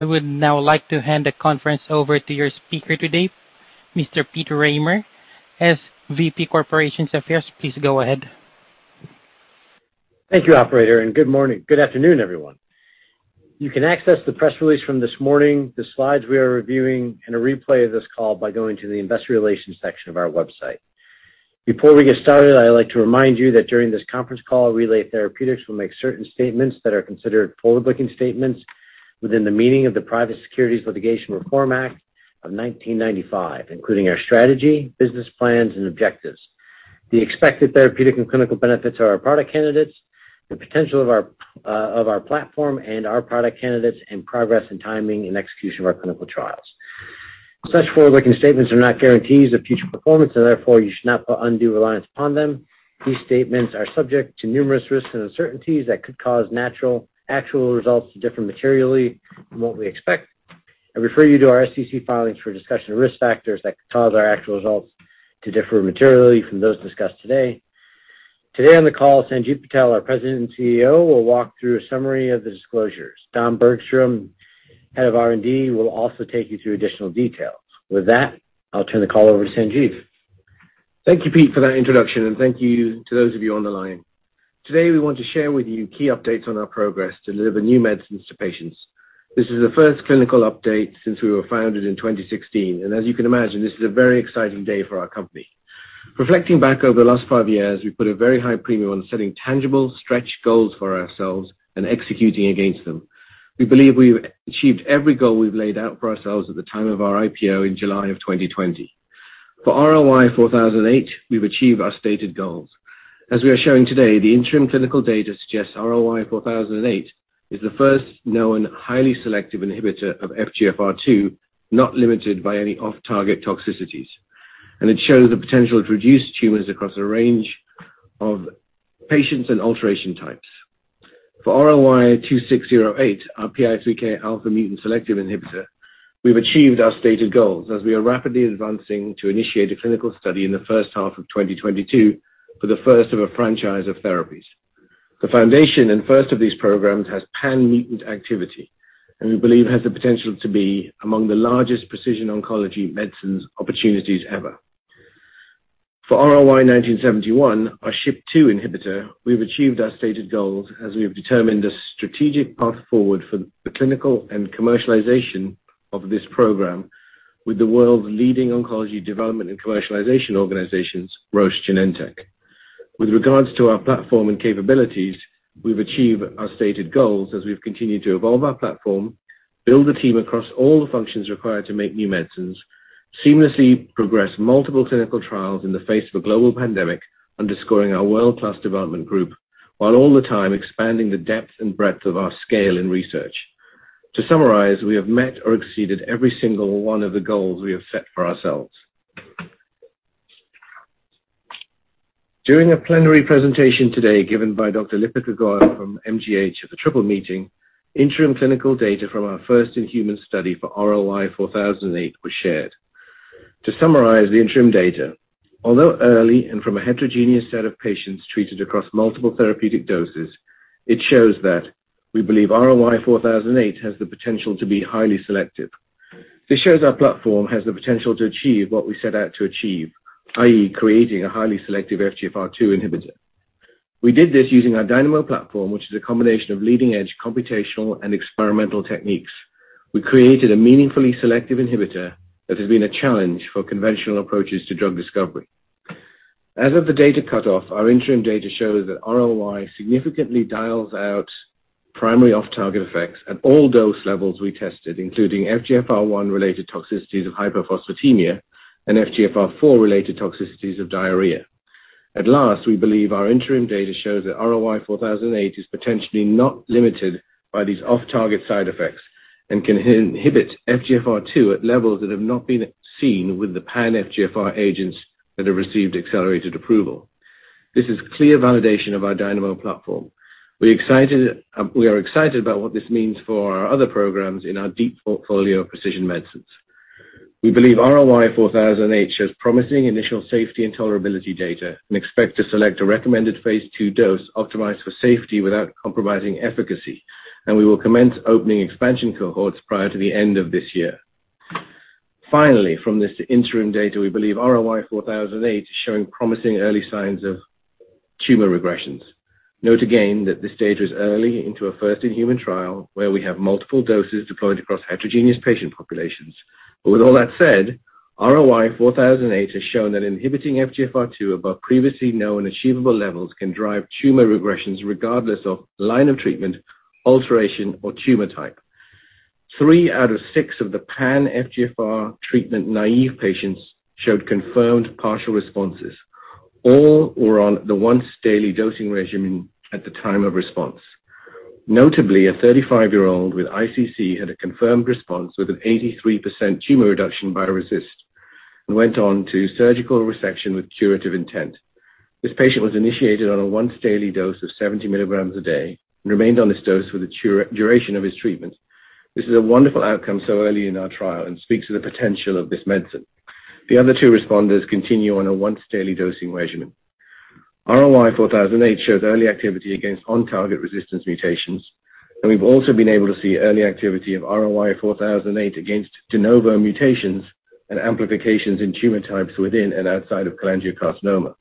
I would now like to hand the conference over to your speaker today, Mr. Peter Rahmer. SVP Corporations Affairs, please go ahead. Thank you, operator, and good morning. Good afternoon, everyone. You can access the press release from this morning, the slides we are reviewing, and a replay of this call by going to the investor relations section of our website. Before we get started, I'd like to remind you that during this conference call, Relay Therapeutics will make certain statements that are considered forward-looking statements within the meaning of the Private Securities Litigation Reform Act of 1995, including our strategy, business plans, and objectives. The expected therapeutic and clinical benefits of our product candidates, the potential of our platform and our product candidates, and progress in timing and execution of our clinical trials. Such forward-looking statements are not guarantees of future performance, and therefore, you should not put undue reliance upon them. These statements are subject to numerous risks and uncertainties that could cause actual results to differ materially from what we expect. I refer you to our SEC filings for a discussion of Risk Factors that could cause our actual results to differ materially from those discussed today. Today on the call, Sanjiv Patel, our President and CEO, will walk through a summary of the disclosures. Don Bergstrom, Head of R&D, will also take you through additional details. With that, I'll turn the call over to Sanjiv. Thank you, Pete, for that introduction, and thank you to those of you on the line. Today, we want to share with you key updates on our progress to deliver new medicines to patients. This is the first clinical update since we were founded in 2016, and as you can imagine, this is a very exciting day for our company. Reflecting back over the last five years, we put a very high premium on setting tangible stretch goals for ourselves and executing against them. We believe we've achieved every goal we've laid out for ourselves at the time of our IPO in July of 2020. For RLY-4008, we've achieved our stated goals. As we are showing today, the interim clinical data suggests RLY-4008 is the first known highly selective inhibitor of FGFR2, not limited by any off-target toxicities, and it shows the potential to reduce tumors across a range of patients and alteration types. For RLY-2608, our PI3Kα mutant selective inhibitor, we've achieved our stated goals as we are rapidly advancing to initiate a clinical study in the first half of 2022 for the first of a franchise of therapies. The foundation and first of these programs has pan-mutant activity, and we believe has the potential to be among the largest precision oncology medicines opportunities ever. For RLY-1971, our SHP2 inhibitor, we've achieved our stated goals as we have determined a strategic path forward for the clinical and commercialization of this program with the world's leading oncology development and commercialization organizations, Roche Genentech. With regards to our platform and capabilities, we've achieved our stated goals as we've continued to evolve our platform, build a team across all the functions required to make new medicines, seamlessly progress multiple clinical trials in the face of a global pandemic underscoring our world-class development group, while all the time expanding the depth and breadth of our scale in research. To summarize, we have met or exceeded every single one of the goals we have set for ourselves. During a plenary presentation today given by Dr. Lipika Goyal from MGH at the Triple Meeting, interim clinical data from our first in-human study for RLY-4008 was shared. To summarize the interim data, although early and from a heterogeneous set of patients treated across multiple therapeutic doses, it shows that we believe RLY-4008 has the potential to be highly selective. This shows our platform has the potential to achieve what we set out to achieve, i.e., creating a highly selective FGFR2 inhibitor. We did this using our Dynamo platform, which is a combination of leading-edge computational and experimental techniques. We created a meaningfully selective inhibitor that has been a challenge for conventional approaches to drug discovery. As of the data cutoff, our interim data shows that RLY-4008 significantly dials out primary off-target effects at all dose levels we tested, including FGFR1-related toxicities of hyperphosphatemia and FGFR4-related toxicities of diarrhea. We believe our interim data shows that RLY-4008 is potentially not limited by these off-target side effects and can inhibit FGFR2 at levels that have not been seen with the pan-FGFR agents that have received accelerated approval. This is clear validation of our Dynamo platform. We are excited about what this means for our other programs in our deep portfolio of precision medicines. We believe RLY-4008 has promising initial safety and tolerability data and expect to select a recommended phase II dose optimized for safety without compromising efficacy, and we will commence opening expansion cohorts prior to the end of this year. Finally, from this interim data, we believe RLY-4008 is showing promising early signs of tumor regressions. Note again that this stage was early into a first in human trial, where we have multiple doses deployed across heterogeneous patient populations. With all that said, RLY-4008 has shown that inhibiting FGFR2 above previously known achievable levels can drive tumor regressions regardless of line of treatment, alteration, or tumor type. Three out of six of the pan-FGFR treatment naive patients showed confirmed partial responses. All were on the once daily dosing regimen at the time of response. Notably, a 35-year-old with ICC had a confirmed response with an 83% tumor reduction by RECIST and went on to surgical resection with curative intent. This patient was initiated on a once daily dose of 70 mg a day and remained on this dose for the duration of his treatment. This is a wonderful outcome so early in our trial and speaks to the potential of this medicine. The other two responders continue on a once-daily dosing regimen. RLY-4008 shows early activity against on-target resistance mutations, and we've also been able to see early activity of RLY-4008 against de novo mutations and amplifications in tumor types within and outside of cholangiocarcinoma.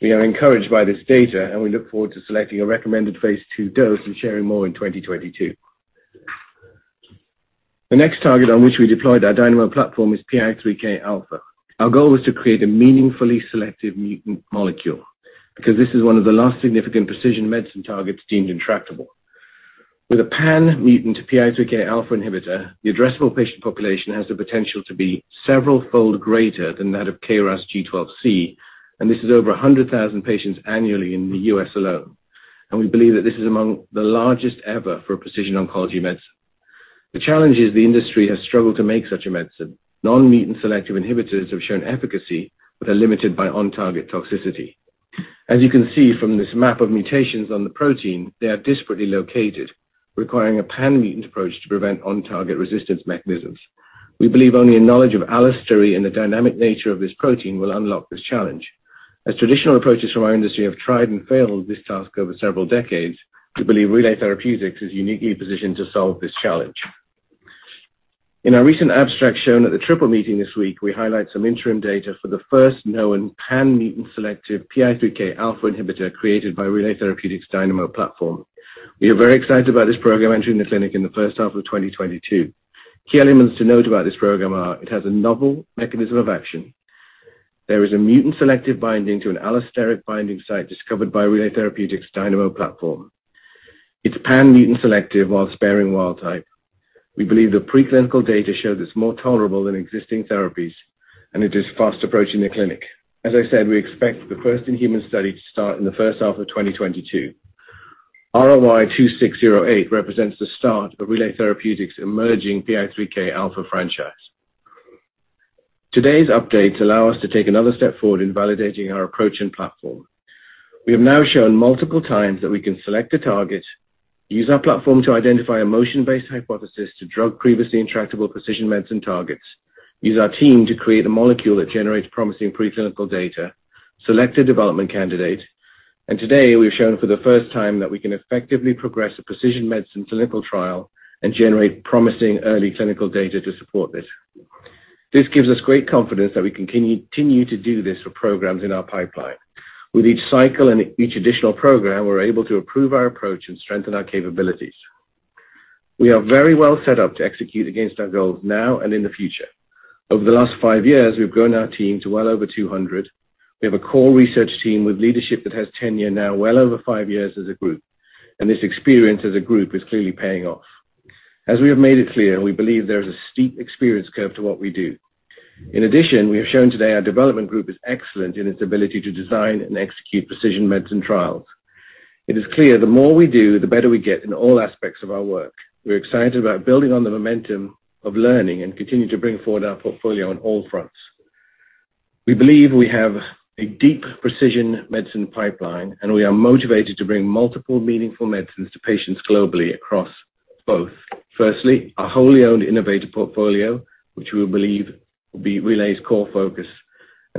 We are encouraged by this data, and we look forward to selecting a recommended phase II dose and sharing more in 2022. The next target on which we deployed our Dynamo platform is PI3Kα. Our goal was to create a meaningfully selective mutant molecule because this is one of the last significant precision medicine targets deemed intractable. With a pan-mutant PI3Kα inhibitor, the addressable patient population has the potential to be several-fold greater than that of KRAS G12C. This is over 100,000 patients annually in the U.S. alone. We believe that this is among the largest ever for a precision oncology medicine. The challenge is the industry has struggled to make such a medicine. Non-mutant selective inhibitors have shown efficacy, but are limited by on-target toxicity. As you can see from this map of mutations on the protein, they are disparately located, requiring a pan-mutant approach to prevent on-target resistance mechanisms. We believe only a knowledge of allostery and the dynamic nature of this protein will unlock this challenge. As traditional approaches from our industry have tried and failed this task over several decades, we believe Relay Therapeutics is uniquely positioned to solve this challenge. In our recent abstract shown at the Triple Meeting this week, we highlight some interim data for the first known pan-mutant selective PI3Kα inhibitor created by Relay Therapeutics' Dynamo platform. We are very excited about this program entering the clinic in the first half of 2022. Key elements to note about this program are it has a novel mechanism of action. There is a mutant selective binding to an allosteric binding site discovered by Relay Therapeutics' Dynamo platform. It's pan mutant selective while sparing wild type. We believe the pre-clinical data shows it's more tolerable than existing therapies, and it is fast approaching the clinic. As I said, we expect the first-in-human study to start in the first half of 2022. RLY-2608 represents the start of Relay Therapeutics' emerging PI3Kα franchise. Today's updates allow us to take another step forward in validating our approach and platform. We have now shown multiple times that we can select a target, use our platform to identify a motion-based hypothesis to drug previously intractable precision medicine targets, use our team to create a molecule that generates promising pre-clinical data, select a development candidate, and today, we've shown for the first time that we can effectively progress a precision medicine clinical trial and generate promising early clinical data to support this. This gives us great confidence that we can continue to do this for programs in our pipeline. With each cycle and each additional program, we're able to improve our approach and strengthen our capabilities. We are very well set up to execute against our goals now and in the future. Over the last five years, we've grown our team to well over 200. We have a core research team with leadership that has tenure now well over five years as a group, and this experience as a group is clearly paying off. As we have made it clear, we believe there is a steep experience curve to what we do. In addition, we have shown today our development group is excellent in its ability to design and execute precision medicine trials. It is clear the more we do, the better we get in all aspects of our work. We're excited about building on the momentum of learning and continuing to bring forward our portfolio on all fronts. We believe we have a deep precision medicine pipeline, and we are motivated to bring multiple meaningful medicines to patients globally across both. Firstly, our wholly owned innovator portfolio, which we believe will be Relay's core focus.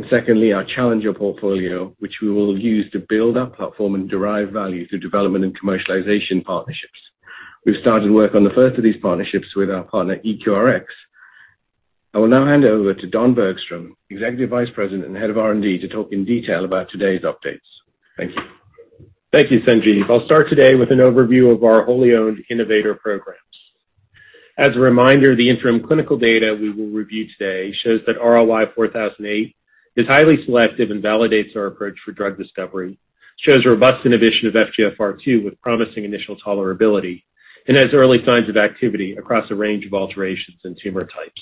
Secondly, our challenger portfolio, which we will use to build our platform and derive value through development and commercialization partnerships. We've started work on the first of these partnerships with our partner EQRx. I will now hand over to Don Bergstrom, Executive Vice President and Head of R&D, to talk in detail about today's updates. Thank you. Thank you, Sanjiv. I'll start today with an overview of our wholly owned innovator programs. As a reminder, the interim clinical data we will review today shows that RLY-4008 is highly selective and validates our approach for drug discovery, shows robust inhibition of FGFR2 with promising initial tolerability, and has early signs of activity across a range of alterations in tumor types.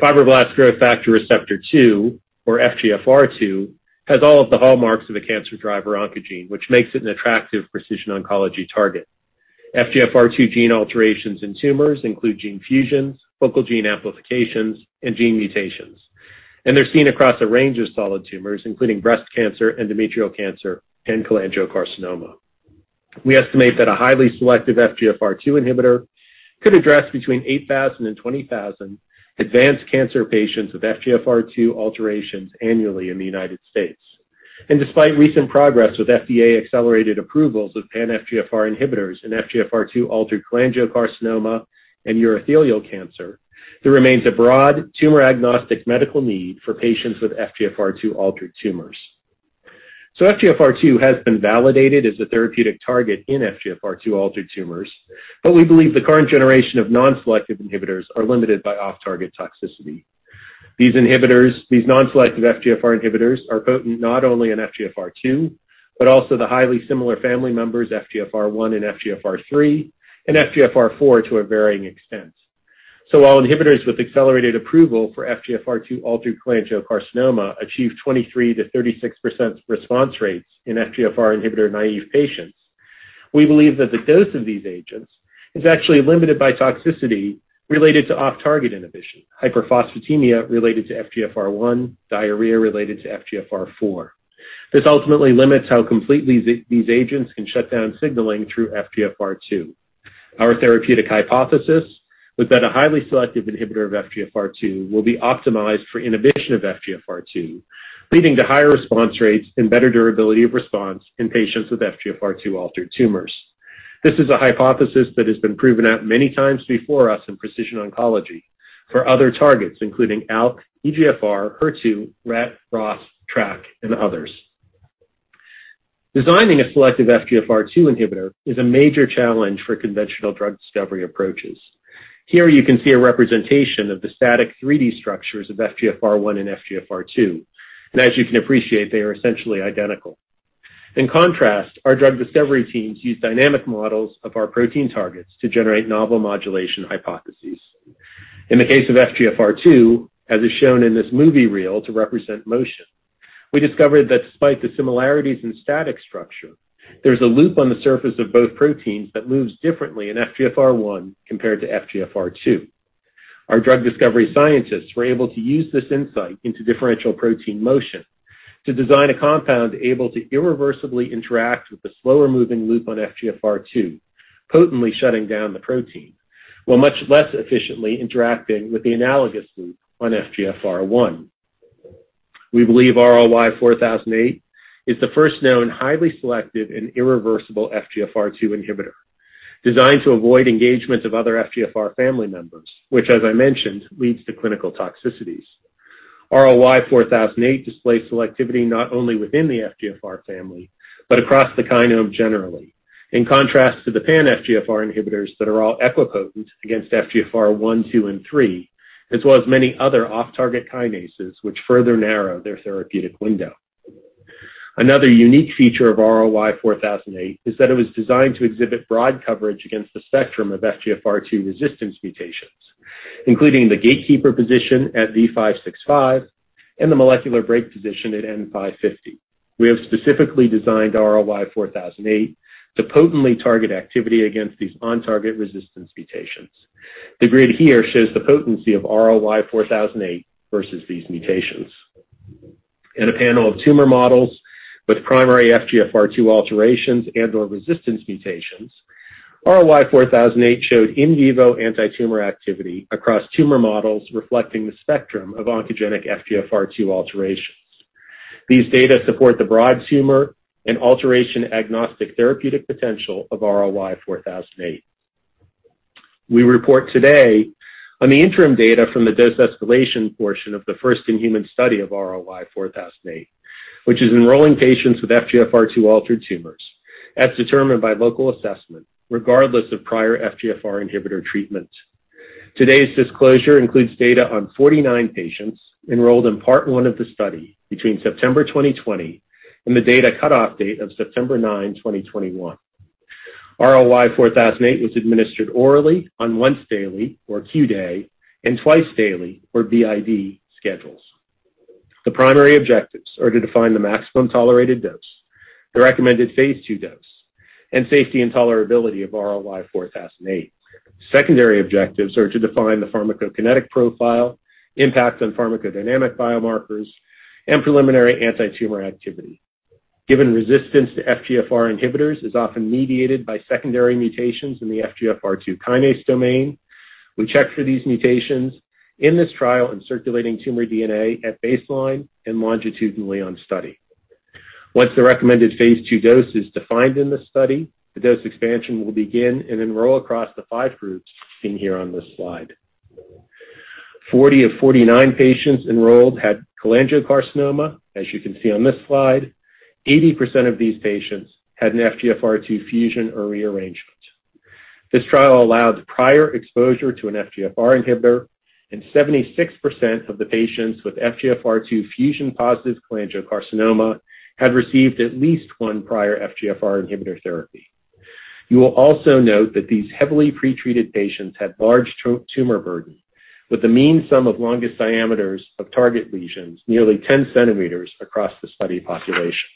Fibroblast growth factor receptor 2, or FGFR2, has all of the hallmarks of a cancer driver oncogene, which makes it an attractive precision oncology target. FGFR2 gene alterations in tumors include gene fusions, focal gene amplifications, and gene mutations. They're seen across a range of solid tumors, including breast cancer, endometrial cancer, and cholangiocarcinoma. We estimate that a highly selective FGFR2 inhibitor could address between 8,000 and 20,000 advanced cancer patients with FGFR2 alterations annually in the U.S. Despite recent progress with FDA accelerated approvals of pan FGFR inhibitors in FGFR2 altered cholangiocarcinoma and urothelial cancer, there remains a broad tumor-agnostic medical need for patients with FGFR2 altered tumors. FGFR2 has been validated as a therapeutic target in FGFR2 altered tumors, but we believe the current generation of non-selective inhibitors are limited by off-target toxicity. These non-selective FGFR inhibitors are potent not only in FGFR2, but also the highly similar family members FGFR1 and FGFR3, and FGFR4 to a varying extent. While inhibitors with accelerated approval for FGFR2 altered cholangiocarcinoma achieve 23%-36% response rates in FGFR inhibitor-naive patients, we believe that the dose of these agents is actually limited by toxicity related to off-target inhibition, hyperphosphatemia related to FGFR1, diarrhea related to FGFR4. This ultimately limits how completely these agents can shut down signaling through FGFR2. Our therapeutic hypothesis was that a highly selective inhibitor of FGFR2 will be optimized for inhibition of FGFR2, leading to higher response rates and better durability of response in patients with FGFR2 altered tumors. This is a hypothesis that has been proven out many times before us in precision oncology for other targets including ALK, EGFR, HER2, RET, ROS, TRK, and others. Designing a selective FGFR2 inhibitor is a major challenge for conventional drug discovery approaches. Here you can see a representation of the static 3D structures of FGFR1 and FGFR2, and as you can appreciate, they are essentially identical. In contrast, our drug discovery teams use dynamic models of our protein targets to generate novel modulation hypotheses. In the case of FGFR2, as is shown in this movie reel to represent motion, we discovered that despite the similarities in static structure, there's a loop on the surface of both proteins that moves differently in FGFR1 compared to FGFR2. Our drug discovery scientists were able to use this insight into differential protein motion to design a compound able to irreversibly interact with the slower moving loop on FGFR2, potently shutting down the protein, while much less efficiently interacting with the analogous loop on FGFR1. We believe RLY-4008 is the first known highly selective and irreversible FGFR2 inhibitor designed to avoid engagement of other FGFR family members, which as I mentioned, leads to clinical toxicities. RLY-4008 displays selectivity not only within the FGFR family, but across the kinome generally. In contrast to the pan FGFR inhibitors that are all equipotent against FGFR1, FGFR2, and FGFR3, as well as many other off-target kinases which further narrow their therapeutic window. Another unique feature of RLY-4008 is that it was designed to exhibit broad coverage against the spectrum of FGFR2 resistance mutations, including the gatekeeper position at V565 and the molecular brake position at N550. We have specifically designed RLY-4008 to potently target activity against these on-target resistance mutations. The grid here shows the potency of RLY-4008 versus these mutations. In a panel of tumor models with primary FGFR2 alterations and/or resistance mutations, RLY-4008 showed in vivo anti-tumor activity across tumor models reflecting the spectrum of oncogenic FGFR2 alterations. These data support the broad tumor and alteration agnostic therapeutic potential of RLY-4008. We report today on the interim data from the dose escalation portion of the first in-human study of RLY-4008, which is enrolling patients with FGFR2 altered tumors as determined by local assessment, regardless of prior FGFR inhibitor treatment. Today's disclosure includes data on 49 patients enrolled in part one of the study between September 2020 and the data cutoff date of September 9, 2021. RLY-4008 was administered orally on once daily, or Qday, and twice daily, or BID schedules. The primary objectives are to define the maximum tolerated dose, the recommended phase II dose, and safety and tolerability of RLY-4008. Secondary objectives are to define the pharmacokinetic profile, impact on pharmacodynamic biomarkers, and preliminary anti-tumor activity. Given resistance to FGFR inhibitors is often mediated by secondary mutations in the FGFR2 kinase domain, we check for these mutations in this trial in circulating tumor DNA at baseline and longitudinally on study. Once the recommended phase II dose is defined in the study, the dose expansion will begin and enroll across the five groups seen here on this slide. 40 of 49 patients enrolled had cholangiocarcinoma. As you can see on this slide, 80% of these patients had an FGFR2 fusion or rearrangement. This trial allowed prior exposure to an FGFR inhibitor, and 76% of the patients with FGFR2 fusion-positive cholangiocarcinoma had received at least one prior FGFR inhibitor therapy. You will also note that these heavily pretreated patients had large tumor burden with the mean sum of longest diameters of target lesions nearly 10 cm across the study population.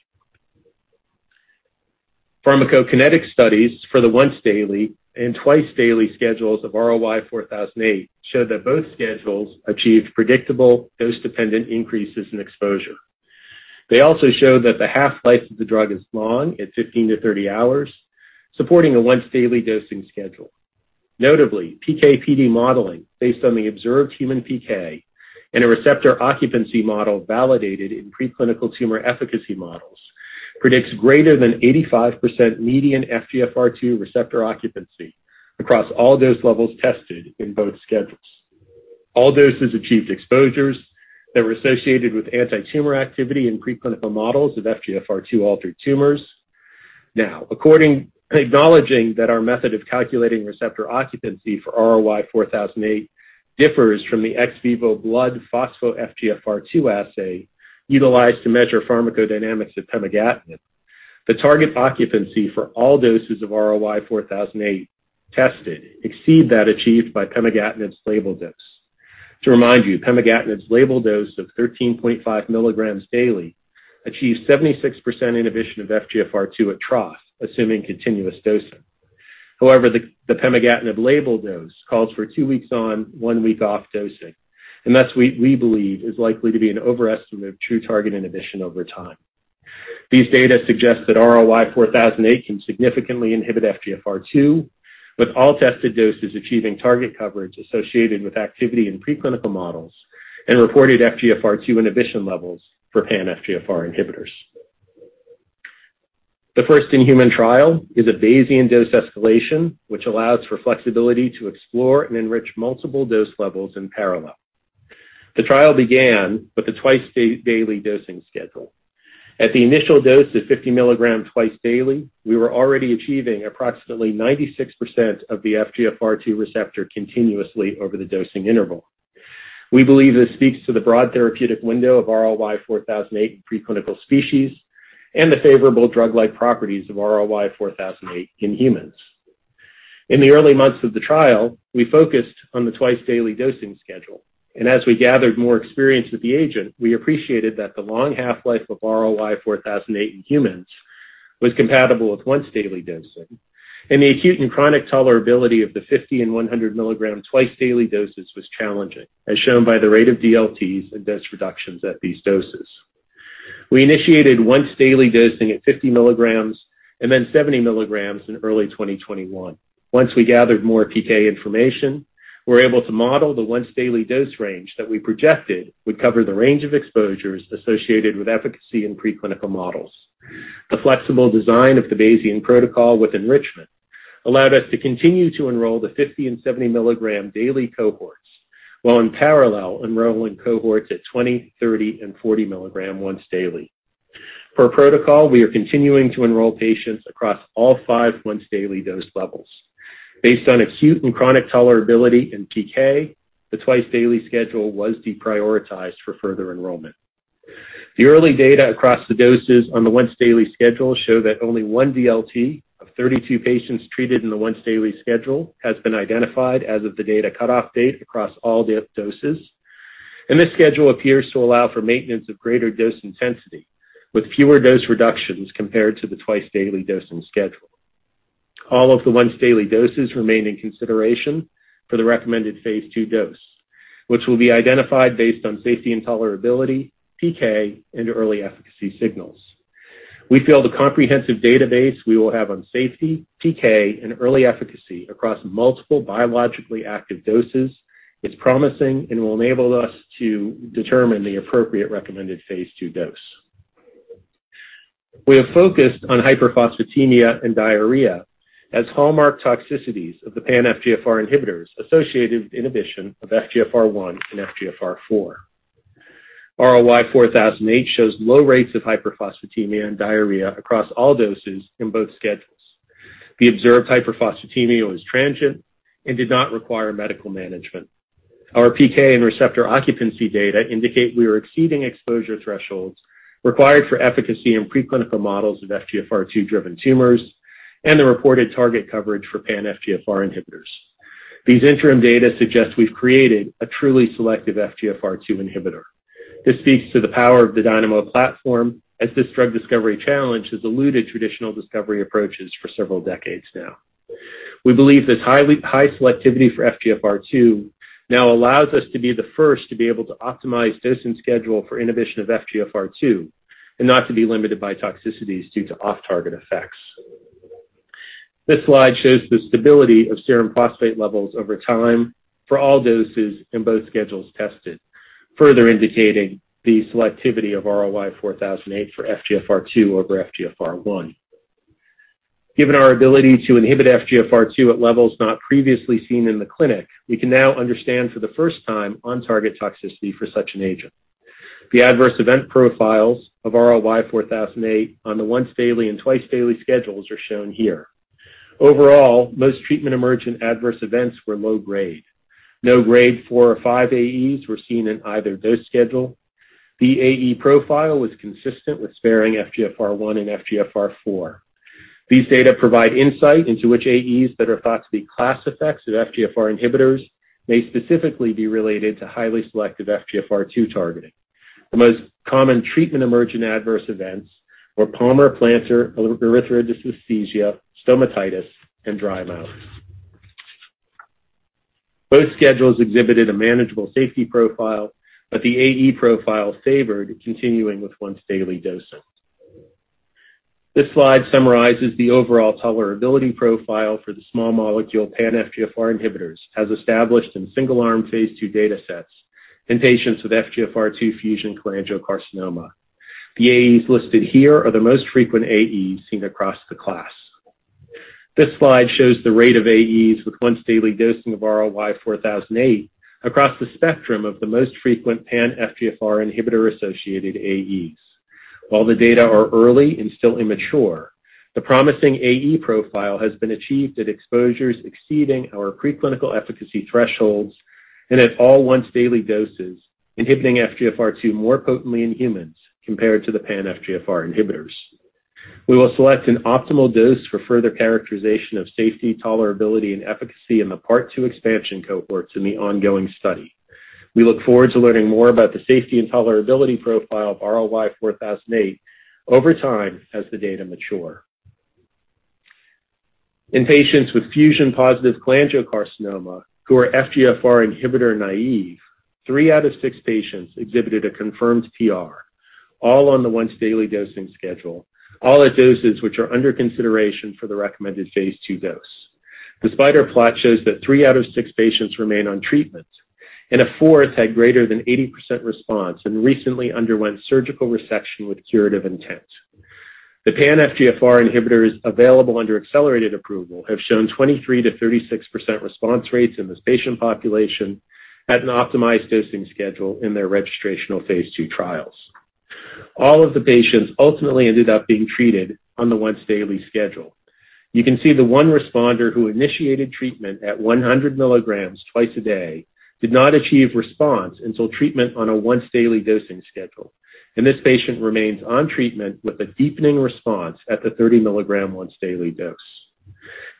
Pharmacokinetic studies for the once daily and twice daily schedules of RLY-4008 show that both schedules achieved predictable dose-dependent increases in exposure. They also show that the half-life of the drug is long, at 15-30 hours, supporting a once daily dosing schedule. Notably, PK/PD modeling based on the observed human PK and a receptor occupancy model validated in preclinical tumor efficacy models predicts greater than 85% median FGFR2 receptor occupancy across all dose levels tested in both schedules. All doses achieved exposures that were associated with anti-tumor activity in preclinical models of FGFR2 altered tumors. Acknowledging that our method of calculating receptor occupancy for RLY-4008 differs from the ex vivo blood phospho FGFR2 assay utilized to measure pharmacodynamics of pemigatinib, the target occupancy for all doses of RLY-4008 tested exceed that achieved by pemigatinib's label dose. To remind you, pemigatinib's label dose of 13.5 mg daily achieves 76% inhibition of FGFR2 at trough, assuming continuous dosing. However, the pemigatinib label dose calls for two weeks on, one week off dosing, and thus we believe is likely to be an overestimate of true target inhibition over time. These data suggest that RLY-4008 can significantly inhibit FGFR2, with all tested doses achieving target coverage associated with activity in preclinical models and reported FGFR2 inhibition levels for pan-FGFR inhibitors. The first-in-human trial is a Bayesian dose escalation, which allows for flexibility to explore and enrich multiple dose levels in parallel. The trial began with the twice-daily dosing schedule. At the initial dose of 50 mg twice daily, we were already achieving approximately 96% of the FGFR2 receptor continuously over the dosing interval. We believe this speaks to the broad therapeutic window of RLY-4008 in preclinical species and the favorable drug-like properties of RLY-4008 in humans. In the early months of the trial, we focused on the twice-daily dosing schedule, and as we gathered more experience with the agent, we appreciated that the long half-life of RLY-4008 in humans was compatible with once-daily dosing, and the acute and chronic tolerability of the 50 mg and 100 mg twice-daily doses was challenging, as shown by the rate of DLTs and dose reductions at these doses. We initiated once-daily dosing at 50 mg, and then 70 mg in early 2021. Once we gathered more PK information, we were able to model the once-daily dose range that we projected would cover the range of exposures associated with efficacy in preclinical models. The flexible design of the Bayesian protocol with enrichment allowed us to continue to enroll the 50 mg and 70 mg daily cohorts, while in parallel enrolling cohorts at 20 mg, 30 mg, and 40 mg once daily. Per protocol, we are continuing to enroll patients across all five once-daily dose levels. Based on acute and chronic tolerability in PK, the twice-daily schedule was deprioritized for further enrollment. The early data across the doses on the once-daily schedule show that only one DLT of 32 patients treated in the once-daily schedule has been identified as of the data cutoff date across all the doses. This schedule appears to allow for maintenance of greater dose intensity, with fewer dose reductions compared to the twice-daily dosing schedule. All of the once-daily doses remain in consideration for the recommended phase II dose, which will be identified based on safety and tolerability, PK, and early efficacy signals. We feel the comprehensive database we will have on safety, PK, and early efficacy across multiple biologically active doses is promising and will enable us to determine the appropriate recommended phase II dose. We have focused on hyperphosphatemia and diarrhea as hallmark toxicities of the pan-FGFR inhibitors associated with inhibition of FGFR1 and FGFR4. RLY-4008 shows low rates of hyperphosphatemia and diarrhea across all doses in both schedules. The observed hyperphosphatemia was transient and did not require medical management. Our PK and receptor occupancy data indicate we are exceeding exposure thresholds required for efficacy in preclinical models of FGFR2-driven tumors and the reported target coverage for pan-FGFR inhibitors. These interim data suggest we've created a truly selective FGFR2 inhibitor. This speaks to the power of the Dynamo platform, as this drug discovery challenge has eluded traditional discovery approaches for several decades now. We believe this high selectivity for FGFR2 now allows us to be the first to be able to optimize dosing schedule for inhibition of FGFR2 and not to be limited by toxicities due to off-target effects. This slide shows the stability of serum phosphate levels over time for all doses in both schedules tested, further indicating the selectivity of RLY-4008 for FGFR2 over FGFR1. Given our ability to inhibit FGFR2 at levels not previously seen in the clinic, we can now understand for the first time on-target toxicity for such an agent. The adverse event profiles of RLY-4008 on the once-daily and twice-daily schedules are shown here. Overall, most treatment-emergent adverse events were low-grade. No Grade 4 or 5 AEs were seen in either dose schedule. The AE profile was consistent with sparing FGFR1 and FGFR4. These data provide insight into which AEs that are thought to be class effects of FGFR inhibitors may specifically be related to highly selective FGFR2 targeting. The most common treatment-emergent adverse events were palmar-plantar erythrodysesthesia, stomatitis, and dry mouth. Both schedules exhibited a manageable safety profile. The AE profile favored continuing with once-daily dosing. This slide summarizes the overall tolerability profile for the small molecule pan-FGFR inhibitors as established in single-arm phase II data sets in patients with FGFR2 fusion cholangiocarcinoma. The AEs listed here are the most frequent AEs seen across the class. This slide shows the rate of AEs with once-daily dosing of RLY-4008 across the spectrum of the most frequent pan-FGFR inhibitor-associated AEs. While the data are early and still immature, the promising AE profile has been achieved at exposures exceeding our preclinical efficacy thresholds and at all once-daily doses, inhibiting FGFR2 more potently in humans compared to the pan-FGFR inhibitors. We will select an optimal dose for further characterization of safety, tolerability, and efficacy in the part two expansion cohorts in the ongoing study. We look forward to learning more about the safety and tolerability profile of RLY-4008 over time as the data mature. In patients with fusion-positive cholangiocarcinoma who are FGFR inhibitor-naive, three out of six patients exhibited a confirmed PR, all on the once-daily dosing schedule, all at doses which are under consideration for the recommended phase II dose. The spider plot shows that three out of six patients remain on treatment, and a fourth had greater than 80% response and recently underwent surgical resection with curative intent. The pan-FGFR inhibitors available under accelerated approval have shown 23%-36% response rates in this patient population at an optimized dosing schedule in their registrational phase II trials. All of the patients ultimately ended up being treated on the once-daily schedule. You can see the one responder who initiated treatment at 100 mg twice a day did not achieve response until treatment on a once-daily dosing schedule. This patient remains on treatment with a deepening response at the 30 mg once-daily dose.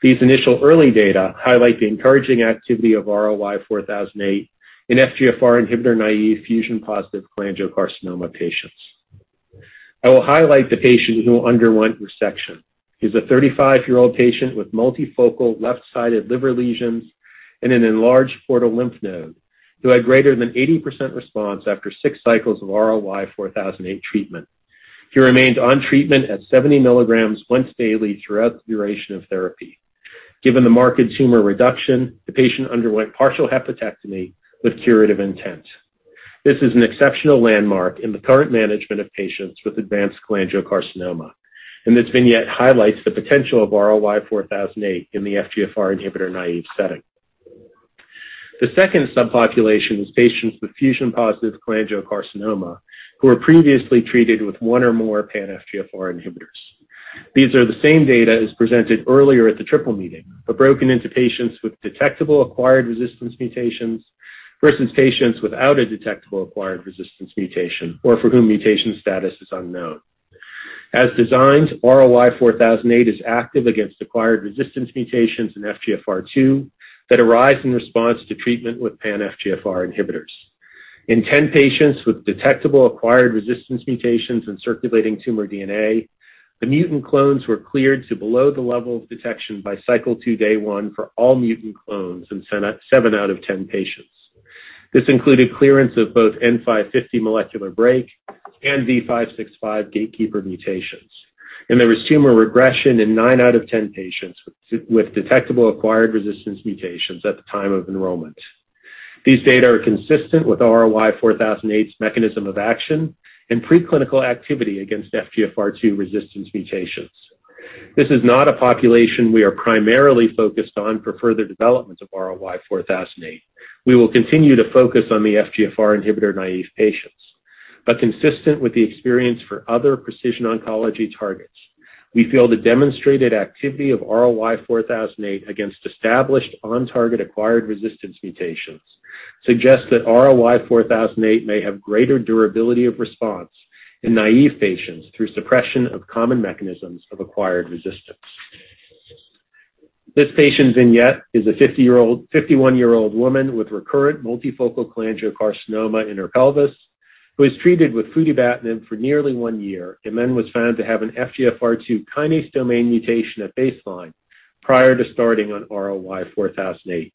These initial early data highlight the encouraging activity of RLY-4008 in FGFR inhibitor-naive fusion-positive cholangiocarcinoma patients. I will highlight the patient who underwent resection. He's a 35-year-old patient with multifocal left-sided liver lesions and an enlarged portal lymph node who had greater than 80% response after six cycles of RLY-4008 treatment. He remained on treatment at 70 mg once daily throughout the duration of therapy. Given the marked tumor reduction, the patient underwent partial hepatectomy with curative intent. This is an exceptional landmark in the current management of patients with advanced cholangiocarcinoma, and this vignette highlights the potential of RLY-4008 in the FGFR inhibitor-naive setting. The second subpopulation is patients with fusion-positive cholangiocarcinoma who were previously treated with one or more pan-FGFR inhibitors. These are the same data as presented earlier at the Triple Meeting, but broken into patients with detectable acquired resistance mutations versus patients without a detectable acquired resistance mutation, or for whom mutation status is unknown. As designed, RLY-4008 is active against acquired resistance mutations in FGFR2 that arise in response to treatment with pan-FGFR inhibitors. In 10 patients with detectable acquired resistance mutations and circulating tumor DNA, the mutant clones were cleared to below the level of detection by Cycle 2, day one for all mutant clones in seven out of 10 patients. This included clearance of both N550 molecular brake and V565 gatekeeper mutations, and there was tumor regression in nine out of 10 patients with detectable acquired resistance mutations at the time of enrollment. These data are consistent with RLY-4008's mechanism of action and preclinical activity against FGFR2 resistance mutations. This is not a population we are primarily focused on for further development of RLY-4008. We will continue to focus on the FGFR inhibitor-naive patients. Consistent with the experience for other precision oncology targets, we feel the demonstrated activity of RLY-4008 against established on-target acquired resistance mutations suggests that RLY-4008 may have greater durability of response in naive patients through suppression of common mechanisms of acquired resistance. This patient vignette is a 51-year-old woman with recurrent multifocal cholangiocarcinoma in her pelvis who was treated with futibatinib for nearly one year and then was found to have an FGFR2 kinase domain mutation at baseline prior to starting on RLY-4008.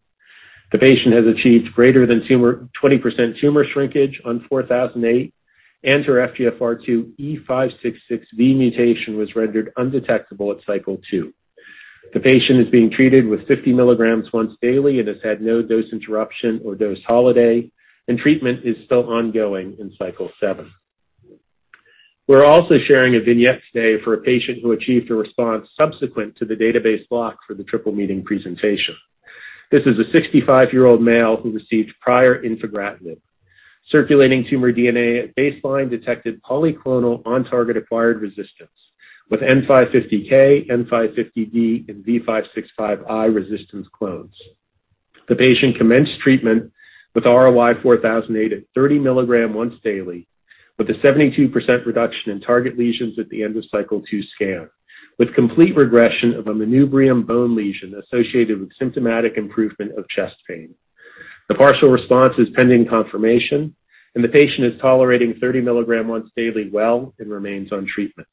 The patient has achieved greater than 20% tumor shrinkage on RLY-4008, and her FGFR2 E566V mutation was rendered undetectable at cycle 2. The patient is being treated with 50 mg once daily and has had no dose interruption or dose holiday, and treatment is still ongoing in Cycle 7. We're also sharing a vignette today for a patient who achieved a response subsequent to the database block for the Triple Meeting presentation. This is a 65-year-old male who received prior erdafitinib. Circulating tumor DNA at baseline detected polyclonal on-target acquired resistance with N550K, N550D, and V565I resistance clones. The patient commenced treatment with RLY-4008 at 30 mg once daily with a 72% reduction in target lesions at the end of Cycle 2 scan, with complete regression of a manubrium bone lesion associated with symptomatic improvement of chest pain. The partial response is pending confirmation, the patient is tolerating 30 mg once daily well and remains on treatment.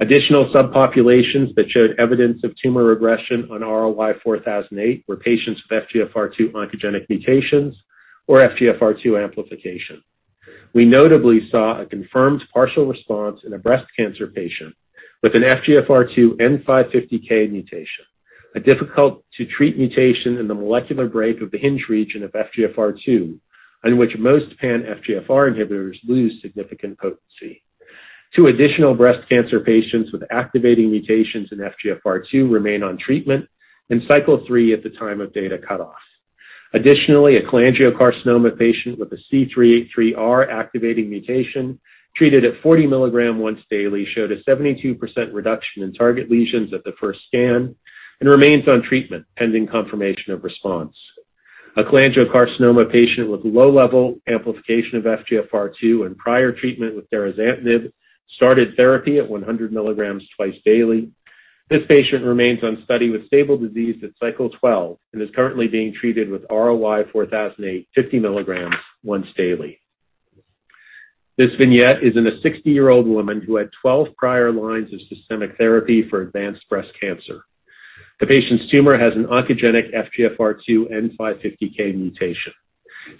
Additional subpopulations that showed evidence of tumor regression on RLY-4008 were patients with FGFR2 oncogenic mutations or FGFR2 amplification. We notably saw a confirmed partial response in a breast cancer patient with an FGFR2 N550K mutation, a difficult-to-treat mutation in the molecular brake of the hinge region of FGFR2, on which most pan-FGFR inhibitors lose significant potency. Two additional breast cancer patients with activating mutations in FGFR2 remain on treatment in Cycle 3 at the time of data cutoff. A cholangiocarcinoma patient with a C383R activating mutation treated at 40 mg once daily showed a 72% reduction in target lesions at the first scan and remains on treatment pending confirmation of response. A cholangiocarcinoma patient with low level amplification of FGFR2 and prior treatment with derazantinib started therapy at 100 mg twice daily. This patient remains on study with stable disease at Cycle 12 and is currently being treated with RLY-4008 50 mg once daily. This vignette is in a 60-year-old woman who had 12 prior lines of systemic therapy for advanced breast cancer. The patient's tumor has an oncogenic FGFR2 N550K mutation.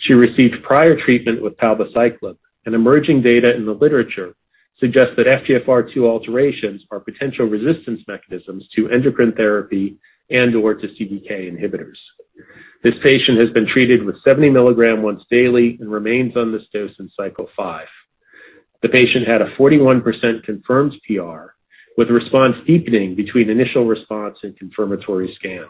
She received prior treatment with palbociclib. Emerging data in the literature suggests that FGFR2 alterations are potential resistance mechanisms to endocrine therapy and/or to CDK inhibitors. This patient has been treated with 70 mg once daily and remains on this dose in Cycle 5. The patient had a 41% confirmed PR, with response deepening between initial response and confirmatory scan.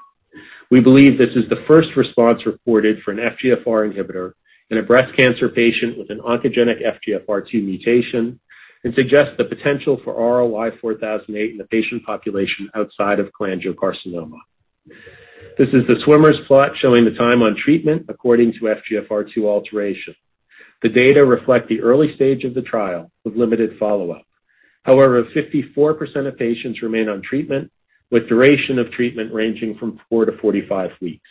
We believe this is the first response reported for an FGFR inhibitor in a breast cancer patient with an oncogenic FGFR2 mutation and suggests the potential for RLY-4008 in the patient population outside of cholangiocarcinoma. This is the swimmer's plot showing the time on treatment according to FGFR2 alteration. The data reflect the early stage of the trial with limited follow-up. However, 54% of patients remain on treatment, with duration of treatment ranging from 4-45 weeks.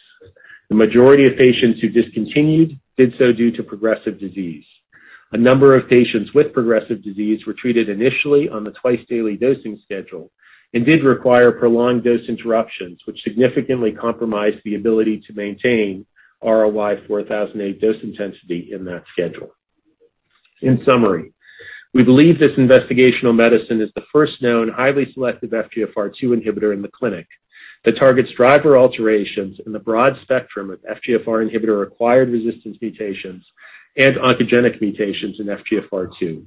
The majority of patients who discontinued did so due to progressive disease. A number of patients with progressive disease were treated initially on the twice-daily dosing schedule and did require prolonged dose interruptions, which significantly compromised the ability to maintain RLY-4008 dose intensity in that schedule. In summary, we believe this investigational medicine is the first known highly selective FGFR2 inhibitor in the clinic that targets driver alterations in the broad spectrum of FGFR inhibitor-acquired resistance mutations and oncogenic mutations in FGFR2.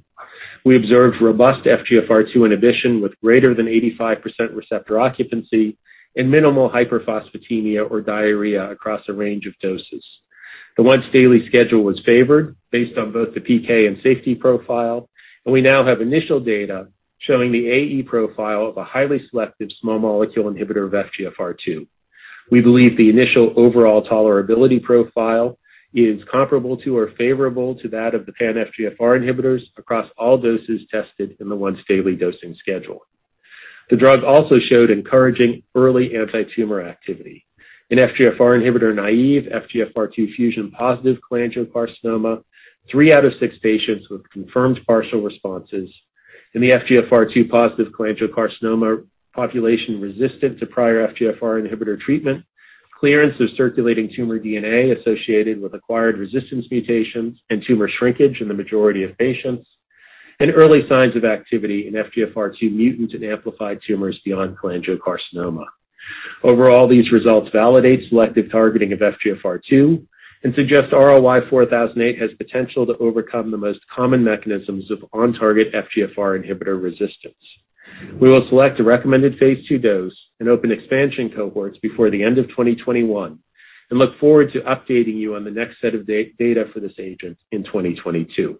We observed robust FGFR2 inhibition with greater than 85% receptor occupancy and minimal hyperphosphatemia or diarrhea across a range of doses. The once-daily schedule was favored based on both the PK and safety profile, and we now have initial data showing the AE profile of a highly selective small molecule inhibitor of FGFR2. We believe the initial overall tolerability profile is comparable to or favorable to that of the pan-FGFR inhibitors across all doses tested in the once-daily dosing schedule. The drug also showed encouraging early anti-tumor activity. In FGFR inhibitor naive, FGFR2 fusion-positive cholangiocarcinoma, three out of six patients with confirmed partial responses in the FGFR2-positive cholangiocarcinoma population resistant to prior FGFR inhibitor treatment, clearance of circulating tumor DNA associated with acquired resistance mutations and tumor shrinkage in the majority of patients, and early signs of activity in FGFR2 mutant and amplified tumors beyond cholangiocarcinoma. Overall, these results validate selective targeting of FGFR2 and suggest RLY-4008 has potential to overcome the most common mechanisms of on-target FGFR inhibitor resistance. We will select a recommended phase II dose and open expansion cohorts before the end of 2021 and look forward to updating you on the next set of data for this agent in 2022.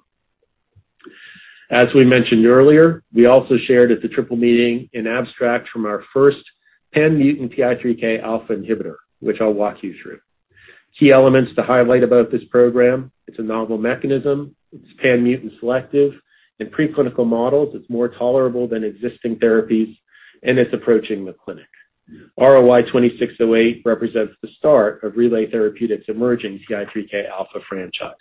As we mentioned earlier, we also shared at the Triple Meeting an abstract from our first pan-mutant PI3Kα inhibitor, which I'll walk you through. Key elements to highlight about this program, it's a novel mechanism, it's pan-mutant selective. In preclinical models, it's more tolerable than existing therapies, and it's approaching the clinic. RLY-2608 represents the start of Relay Therapeutics' emerging PI3Kα franchise.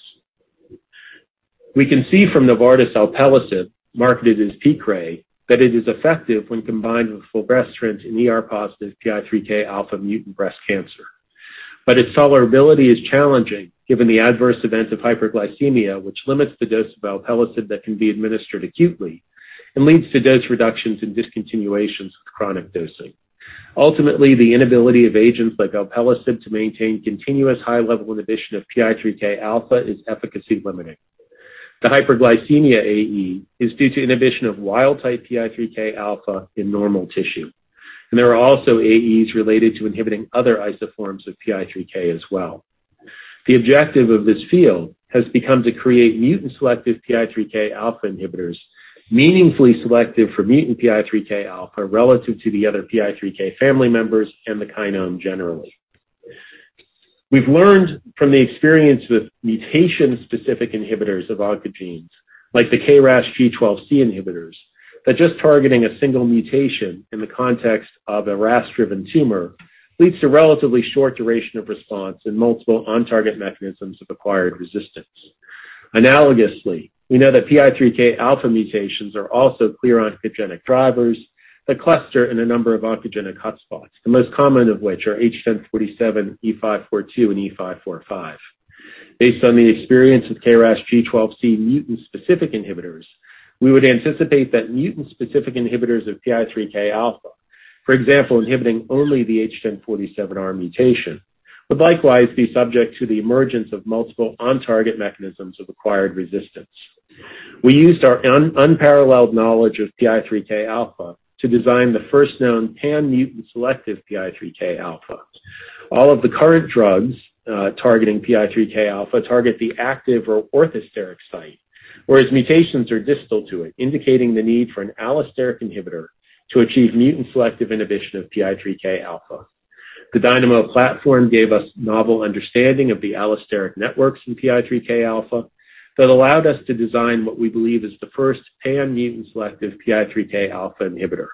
We can see from Novartis' alpelisib, marketed as Piqray, that it is effective when combined with fulvestrant in ER-positive PI3Kα mutant breast cancer. Its tolerability is challenging given the adverse event of hyperglycemia, which limits the dose of alpelisib that can be administered acutely and leads to dose reductions and discontinuations with chronic dosing. Ultimately, the inability of agents like alpelisib to maintain continuous high-level inhibition of PI3Kα is efficacy limiting. The hyperglycemia AE is due to inhibition of wild-type PI3Kα in normal tissue, and there are also AEs related to inhibiting other isoforms of PI3K as well. The objective of this field has become to create mutant-selective PI3Kα inhibitors, meaningfully selective for mutant PI3Kα relative to the other PI3K family members and the kinome generally. We've learned from the experience with mutation-specific inhibitors of oncogenes, like the KRAS G12C inhibitors, that just targeting a single mutation in the context of a RAS-driven tumor leads to relatively short duration of response and multiple on-target mechanisms of acquired resistance. Analogously, we know that PI3Kα mutations are also clear oncogenic drivers that cluster in a number of oncogenic hotspots, the most common of which are H1047, E542, and E545. Based on the experience with KRAS G12C mutant-specific inhibitors, we would anticipate that mutant-specific inhibitors of PI3Kα, for example, inhibiting only the H1047R mutation, would likewise be subject to the emergence of multiple on-target mechanisms of acquired resistance. We used our unparalleled knowledge of PI3Kα to design the first known pan-mutant selective PI3Kα. All of the current drugs targeting PI3Kα target the active or orthosteric site, whereas mutations are distal to it, indicating the need for an allosteric inhibitor to achieve mutant-selective inhibition of PI3Kα. The Dynamo platform gave us novel understanding of the allosteric networks in PI3Kα that allowed us to design what we believe is the first pan-mutant selective PI3Kα inhibitor.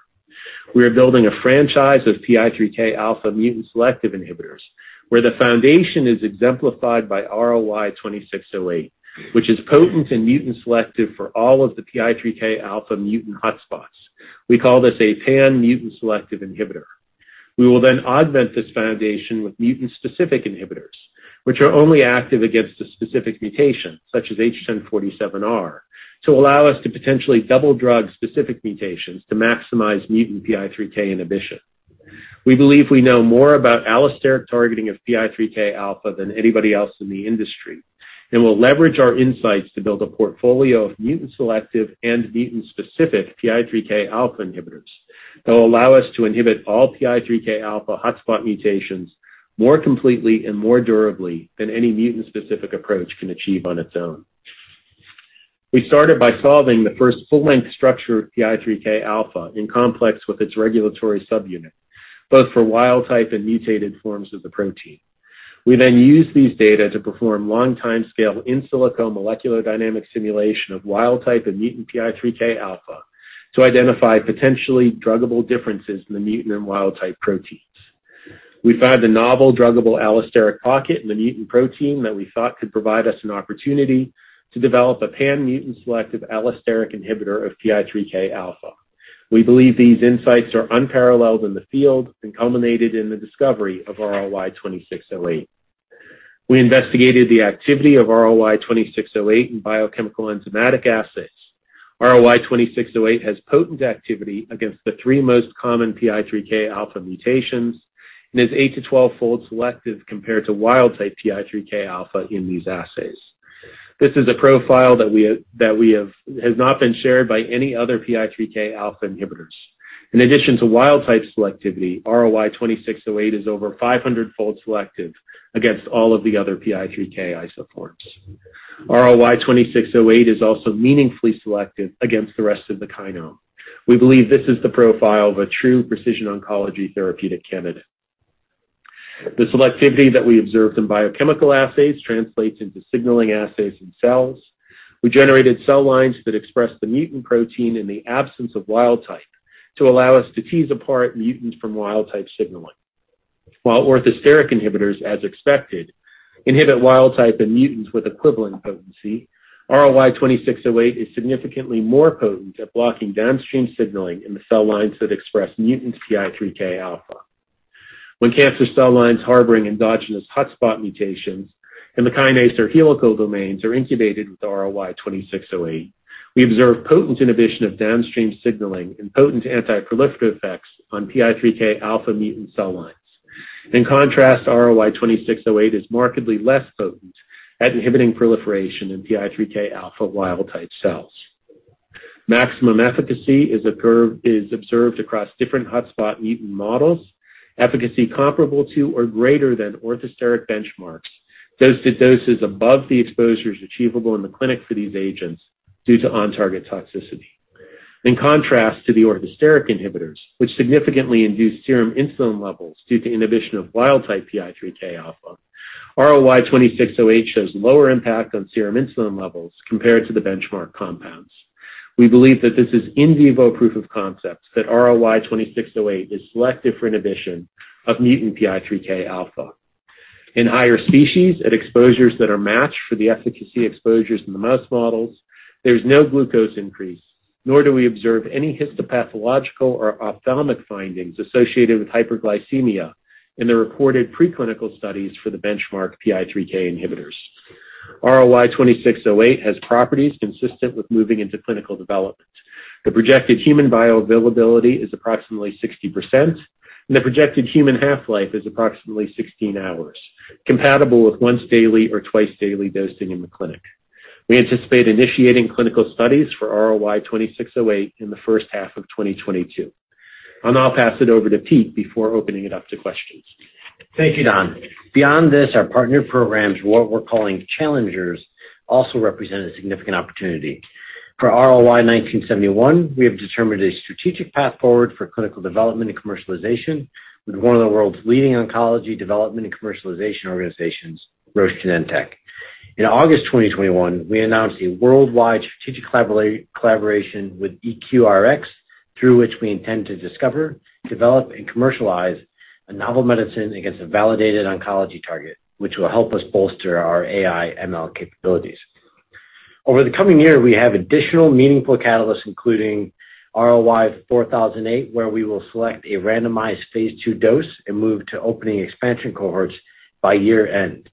We are building a franchise of PI3Kα mutant selective inhibitors, where the foundation is exemplified by RLY-2608, which is potent in mutant selective for all of the PI3Kα mutant hotspots. We call this a pan-mutant selective inhibitor. We will augment this foundation with mutant-specific inhibitors, which are only active against a specific mutation, such as H1047R, to allow us to potentially double drug specific mutations to maximize mutant PI3K inhibition. We believe we know more about allosteric targeting of PI3Kα than anybody else in the industry, and we'll leverage our insights to build a portfolio of mutant selective and mutant specific PI3Kα inhibitors that will allow us to inhibit all PI3Kα hotspot mutations more completely and more durably than any mutant-specific approach can achieve on its own. We started by solving the first full-length structure of PI3Kα in complex with its regulatory subunit, both for wild type and mutated forms of the protein. We used these data to perform long timescale in silico molecular dynamic simulation of wild type and mutant PI3Kα to identify potentially druggable differences in the mutant and wild type proteins. We found a novel druggable allosteric pocket in the mutant protein that we thought could provide us an opportunity to develop a pan mutant selective allosteric inhibitor of PI3Kα. We believe these insights are unparalleled in the field and culminated in the discovery of RLY-2608. We investigated the activity of RLY-2608 in biochemical enzymatic assays. RLY-2608 has potent activity against the three most common PI3Kα mutations and is 8-12-fold selective compared to wild type PI3Kα in these assays. This is a profile that has not been shared by any other PI3Kα inhibitors. In addition to wild type selectivity, RLY-2608 is over 500-fold selective against all of the other PI3K isoforms. RLY-2608 is also meaningfully selective against the rest of the kinome. We believe this is the profile of a true precision oncology therapeutic candidate. The selectivity that we observed in biochemical assays translates into signaling assays in cells. We generated cell lines that express the mutant protein in the absence of wild type to allow us to tease apart mutants from wild type signaling. While orthosteric inhibitors, as expected, inhibit wild type and mutants with equivalent potency, RLY-2608 is significantly more potent at blocking downstream signaling in the cell lines that express mutant PI3Kα. When cancer cell lines harboring endogenous hotspot mutations in the kinase or helical domains are incubated with RLY-2608, we observe potent inhibition of downstream signaling and potent antiproliferative effects on PI3Kα mutant cell lines. In contrast, RLY-2608 is markedly less potent at inhibiting proliferation in PI3Kα wild type cells. Maximum efficacy is observed across different hotspot mutant models, efficacy comparable to or greater than orthosteric benchmarks, dose to doses above the exposures achievable in the clinic for these agents due to on-target toxicity. In contrast to the orthosteric inhibitors, which significantly induce serum insulin levels due to inhibition of wild type PI3Kα, RLY-2608 shows lower impact on serum insulin levels compared to the benchmark compounds. We believe that this is in vivo proof of concept that RLY-2608 is selective for inhibition of mutant PI3Kα. In higher species, at exposures that are matched for the efficacy exposures in the mouse models, there's no glucose increase, nor do we observe any histopathological or ophthalmic findings associated with hyperglycemia in the reported preclinical studies for the benchmark PI3K inhibitors. RLY-2608 has properties consistent with moving into clinical development. The projected human bioavailability is approximately 60%, and the projected human half-life is approximately 16 hours, compatible with once daily or twice-daily dosing in the clinic. We anticipate initiating clinical studies for RLY-2608 in the first half of 2022. I'll now pass it over to Pete before opening it up to questions. Thank you, Don. Beyond this, our partner programs, what we're calling challengers, also represent a significant opportunity. For RLY-1971, we have determined a strategic path forward for clinical development and commercialization with one of the world's leading oncology development and commercialization organizations, Roche Genentech. In August 2021, we announced a worldwide strategic collaboration with EQRx, through which we intend to discover, develop, and commercialize a novel medicine against a validated oncology target, which will help us bolster our AI/ML capabilities. Over the coming year, we have additional meaningful catalysts, including RLY-4008, where we will select a randomized phase II dose and move to opening expansion cohorts by year-end.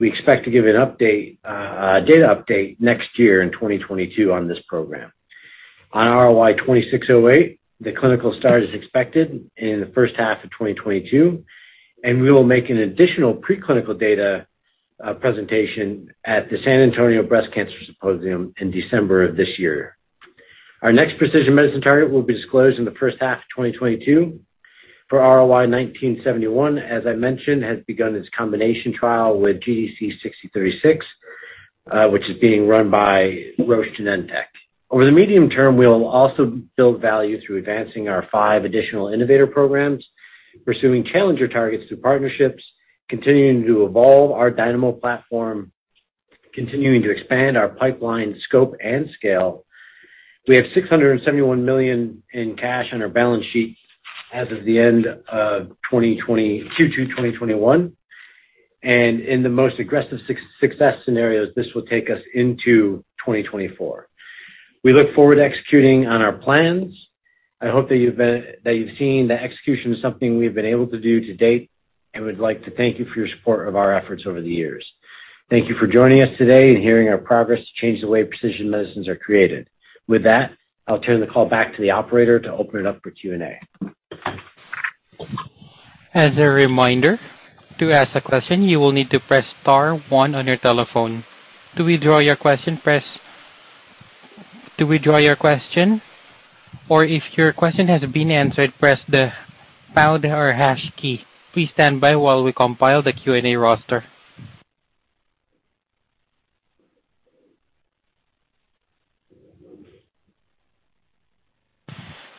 We expect to give a data update next year in 2022 on this program. On RLY-2608, the clinical start is expected in the first half of 2022. We will make an additional preclinical data presentation at the San Antonio Breast Cancer Symposium in December of this year. Our next precision medicine target will be disclosed in the first half of 2022. For RLY-1971, as I mentioned, has begun its combination trial with GDC-6036, which is being run by Roche Genentech. Over the medium term, we'll also build value through advancing our five additional innovator programs, pursuing challenger targets through partnerships, continuing to evolve our Dynamo platform. Continuing to expand our pipeline scope and scale. We have $671 million in cash on our balance sheet as of the end of Q2 2021, and in the most aggressive success scenarios, this will take us into 2024. We look forward to executing on our plans. I hope that you've seen that execution is something we've been able to do to date, and would like to thank you for your support of our efforts over the years. Thank you for joining us today and hearing our progress to change the way precision medicines are created. With that, I'll turn the call back to the operator to open it up for Q&A.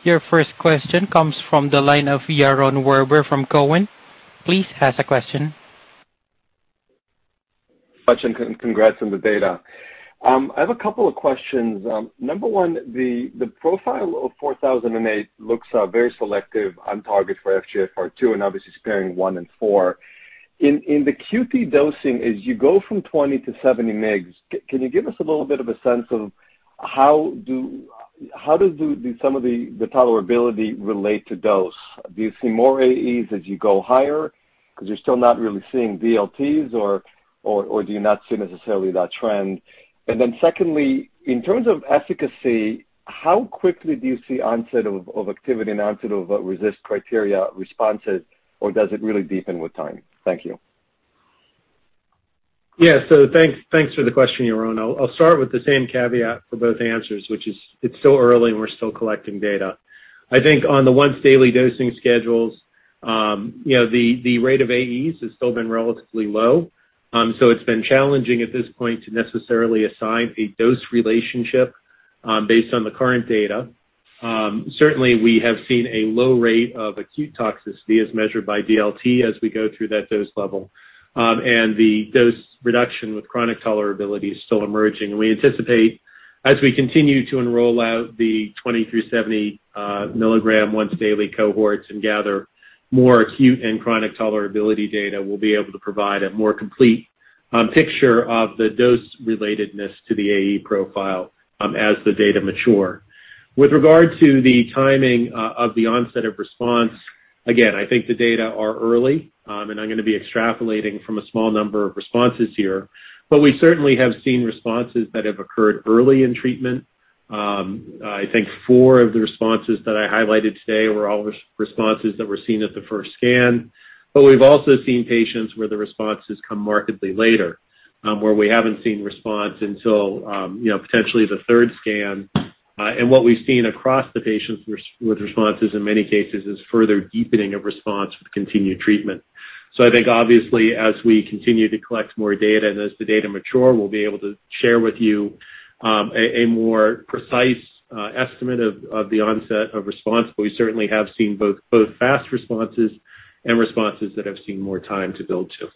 Your first question comes from the line of Yaron Werber from Cowen. Please ask a question. Thanks so much, and congrats on the data. I have a couple of questions. Number one, the profile of 4008 looks very selective on target for FGFR2, and obviously sparing one and four. In the QD dosing, as you go from 20 mgs-70 mgs, can you give us a little bit of a sense of how does some of the tolerability relate to dose? Do you see more AEs as you go higher? You're still not really seeing DLTs, or do you not see necessarily that trend? Secondly, in terms of efficacy, how quickly do you see onset of activity and onset of RECIST criteria responses, or does it really deepen with time? Thank you. Thanks for the question, Yaron. I'll start with the same caveat for both answers, which is it's still early and we're still collecting data. I think on the once daily dosing schedules, the rate of AEs has still been relatively low. It's been challenging at this point to necessarily assign a dose relationship based on the current data. Certainly, we have seen a low rate of acute toxicity as measured by DLT as we go through that dose level. The dose reduction with chronic tolerability is still emerging, and we anticipate as we continue to enroll out the 20 mg-70 mg once daily cohorts and gather more acute and chronic tolerability data, we'll be able to provide a more complete picture of the dose relatedness to the AE profile as the data mature. With regard to the timing of the onset of response, again, I think the data are early, and I'm going to be extrapolating from a small number of responses here. We certainly have seen responses that have occurred early in treatment. I think four of the responses that I highlighted today were all responses that were seen at the 1st scan. We've also seen patients where the responses come markedly later, where we haven't seen response until potentially the third scan. What we've seen across the patients with responses in many cases is further deepening of response with continued treatment. I think obviously as we continue to collect more data and as the data mature, we'll be able to share with you a more precise estimate of the onset of response. We certainly have seen both fast responses and responses that have seen more time to build to.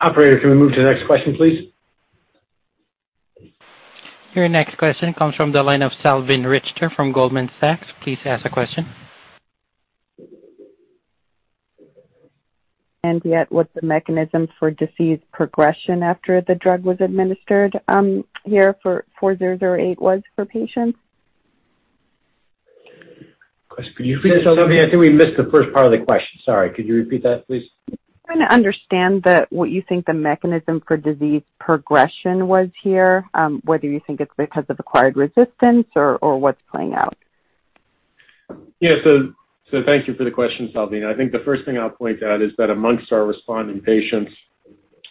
Operator, can we move to the next question, please? Your next question comes from the line of Salveen Richter from Goldman Sachs. Please ask a question. Yet, what the mechanism for disease progression after the drug was administered here for 4008 was for patients? Could you repeat that? Salveen, I think we missed the first part of the question. Sorry. Could you repeat that, please? Trying to understand what you think the mechanism for disease progression was here, whether you think it's because of acquired resistance or what's playing out? Thank you for the question, Salveen. I think the first thing I'll point out is that amongst our responding patients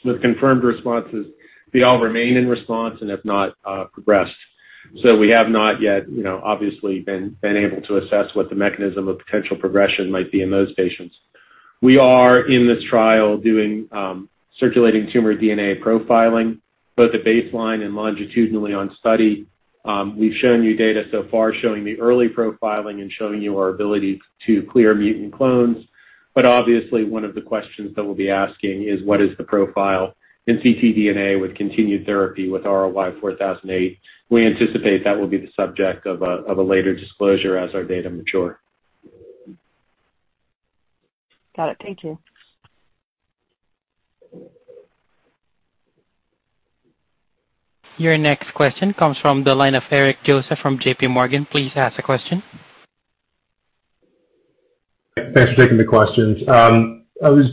with confirmed responses, they all remain in response and have not progressed. We have not yet obviously been able to assess what the mechanism of potential progression might be in those patients. We are in this trial doing circulating tumor DNA profiling, both at baseline and longitudinally on study. We've shown you data so far showing the early profiling and showing you our ability to clear mutant clones. Obviously one of the questions that we'll be asking is what is the profile in ctDNA with continued therapy with RLY-4008? We anticipate that will be the subject of a later disclosure as our data mature. Got it. Thank you. Your next question comes from the line of Eric Joseph from JPMorgan. Please ask a question. Thanks for taking the questions. I was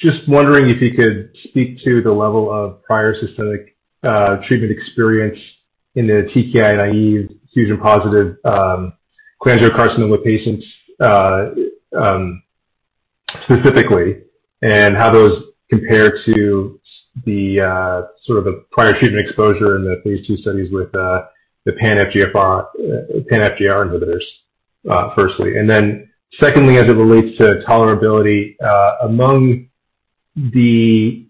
just wondering if you could speak to the level of prior systemic treatment experience in the TKI-naive, fusion positive cholangiocarcinoma patients specifically, and how those compare to the prior treatment exposure in the phase II studies with the pan-FGFR inhibitors, firstly. Secondly, as it relates to tolerability among the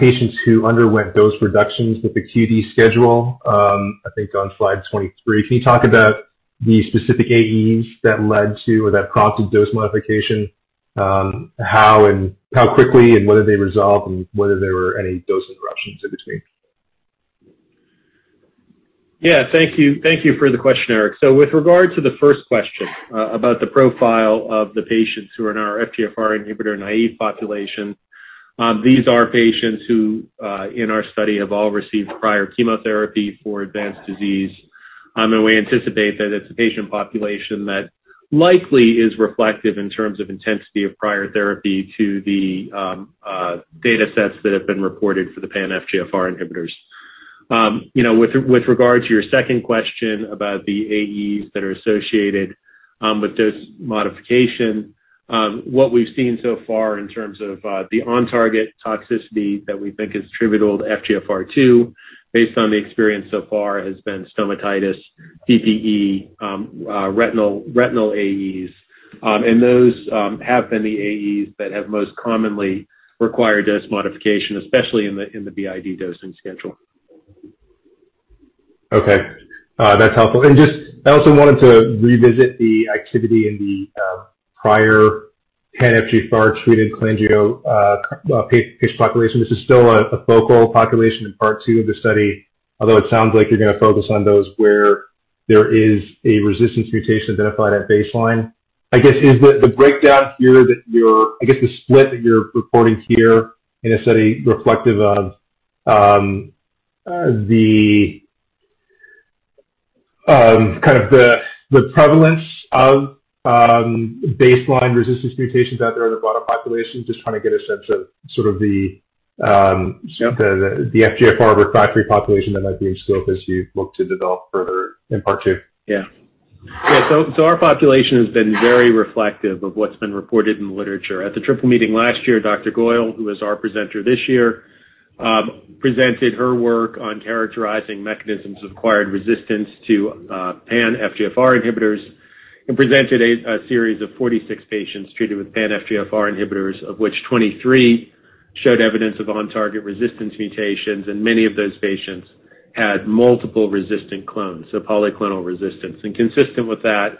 patients who underwent dose reductions with the QD schedule, I think on Slide 23. Can you talk about the specific AEs that led to or that prompted dose modification? How quickly, and whether they resolved, and whether there were any dose interruptions in between? Yeah. Thank you for the question, Eric. With regard to the first question about the profile of the patients who are in our FGFR inhibitor-naive population, these are patients who, in our study, have all received prior chemotherapy for advanced disease. We anticipate that it's a patient population that likely is reflective in terms of intensity of prior therapy to the data sets that have been reported for the pan-FGFR inhibitors. With regard to your second question about the AEs that are associated with dose modification, what we've seen so far in terms of the on-target toxicity that we think is attributable to FGFR2, based on the experience so far, has been stomatitis, PPE, retinal AEs. Those have been the AEs that have most commonly required dose modification, especially in the BID dosing schedule. Okay. That's helpful. I also wanted to revisit the activity in the prior pan-FGFR-treated cholangiocarcinoma patient population. This is still a focal population in phase II of the study, although it sounds like you're going to focus on those where there is a resistance mutation identified at baseline. is the breakdown here that the split that you're reporting here in a study reflective of the kind of the prevalence of baseline resistance mutations out there in the broader population? Sure the FGFR refractory population that might be in scope as you look to develop further in part two. Our population has been very reflective of what's been reported in the literature. At the Triple Meeting last year, Dr. Goyal, who is our presenter this year, presented her work on characterizing mechanisms of acquired resistance to pan-FGFR inhibitors, and presented a series of 46 patients treated with pan-FGFR inhibitors, of which 23 showed evidence of on-target resistance mutations, and many of those patients had multiple resistant clones, so polyclonal resistance. Consistent with that,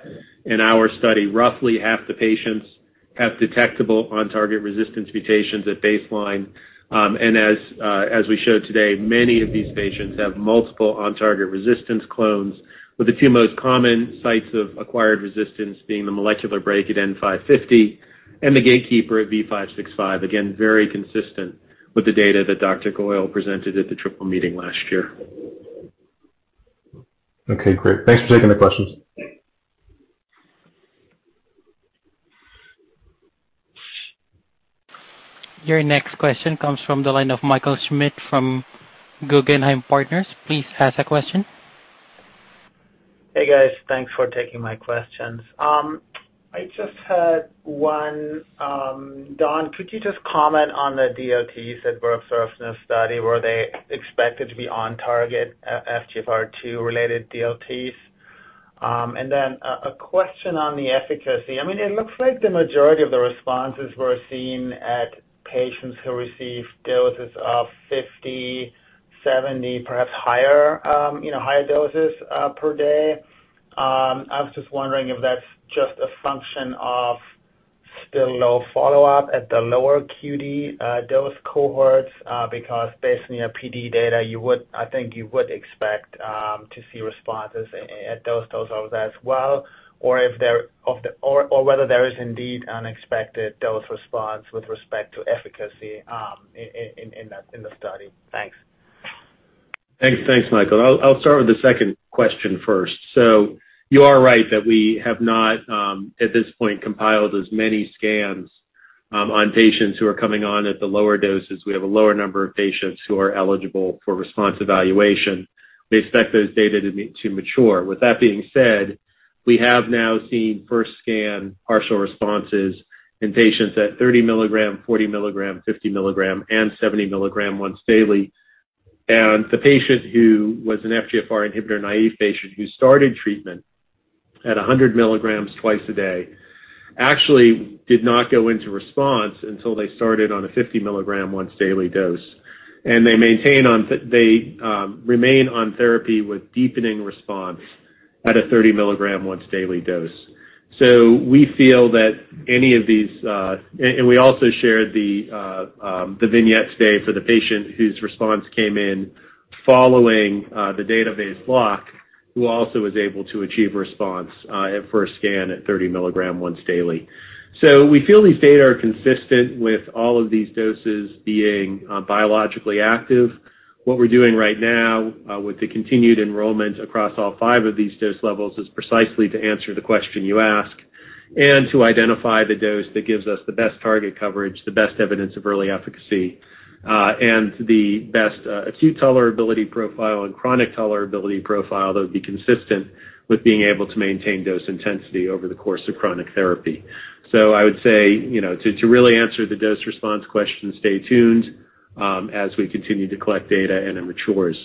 in our study, roughly half the patients have detectable on-target resistance mutations at baseline. As we showed today, many of these patients have multiple on-target resistance clones, with the two most common sites of acquired resistance being the molecular brake at N550 and the gatekeeper at V565. Again, very consistent with the data that Dr. Goyal presented at the Triple Meeting last year. Okay, great. Thanks for taking the questions. Your next question comes from the line of Michael Schmidt from Guggenheim Partners. Please ask the question. Hey, guys. Thanks for taking my questions. I just had one. Don, could you just comment on the AEs at ReFocus study, were they expected to be on target FGFR2-related AEs? Then a question on the efficacy. It looks like the majority of the responses were seen at patients who received doses of 50 mg, 70 mg, perhaps higher doses per day. I was just wondering if that's just a function of still low follow-up at the lower QD dose cohorts, because based on your PD data, I think you would expect to see responses at those doses as well, or whether there is indeed unexpected dose response with respect to efficacy in the study. Thanks. Thanks, Michael. I'll start with the second question first. You are right that we have not, at this point, compiled as many scans on patients who are coming on at the lower doses. We have a lower number of patients who are eligible for response evaluation. We expect those data to mature. With that being said, we have now seen first scan partial responses in patients at 30 mg, 40 mg, 50 mg, and 70 mg once daily. The patient who was an FGFR inhibitor-naive patient who started treatment at 100 mg twice a day, actually did not go into response until they started on a 50 mg once daily dose. They remain on therapy with deepening response at a 30 mg once daily dose. We feel that any of these-- and we also shared the vignettes today for the patient whose response came in following the database block, who also was able to achieve response at first scan at 30 mg once daily. We feel these data are consistent with all of these doses being biologically active. What we're doing right now with the continued enrollment across all five of these dose levels is precisely to answer the question you ask and to identify the dose that gives us the best target coverage, the best evidence of early efficacy, and the best acute tolerability profile and chronic tolerability profile that would be consistent with being able to maintain dose intensity over the course of chronic therapy. I would say, to really answer the dose response question, stay tuned as we continue to collect data and it matures.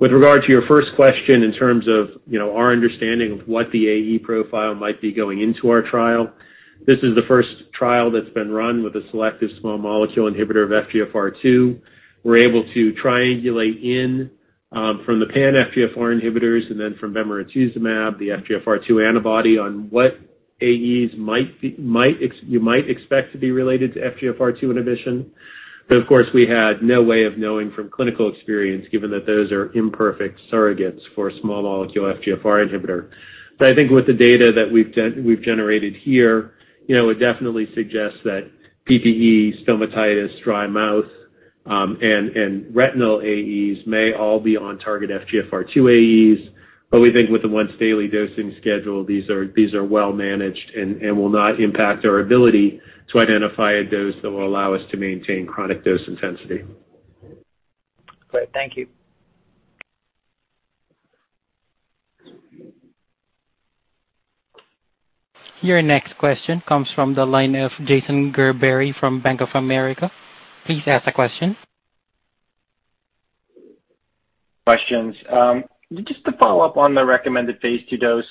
With regard to your first question in terms of our understanding of what the AE profile might be going into our trial, this is the first trial that's been run with a selective small molecule inhibitor of FGFR2. We're able to triangulate in from the pan FGFR inhibitors and then from bemarituzumab, the FGFR2 antibody on what AEs you might expect to be related to FGFR2 inhibition. Of course, we had no way of knowing from clinical experience, given that those are imperfect surrogates for a small molecule FGFR inhibitor. I think with the data that we've generated here, it definitely suggests that PPE, stomatitis, dry mouth, and retinal AEs may all be on target FGFR2 AEs, but we think with the once daily dosing schedule, these are well managed and will not impact our ability to identify a dose that will allow us to maintain chronic dose intensity. Great. Thank you. Your next question comes from the line of Jason Gerberry from Bank of America. Please ask a question. Questions. Just to follow up on the recommended phase II dose,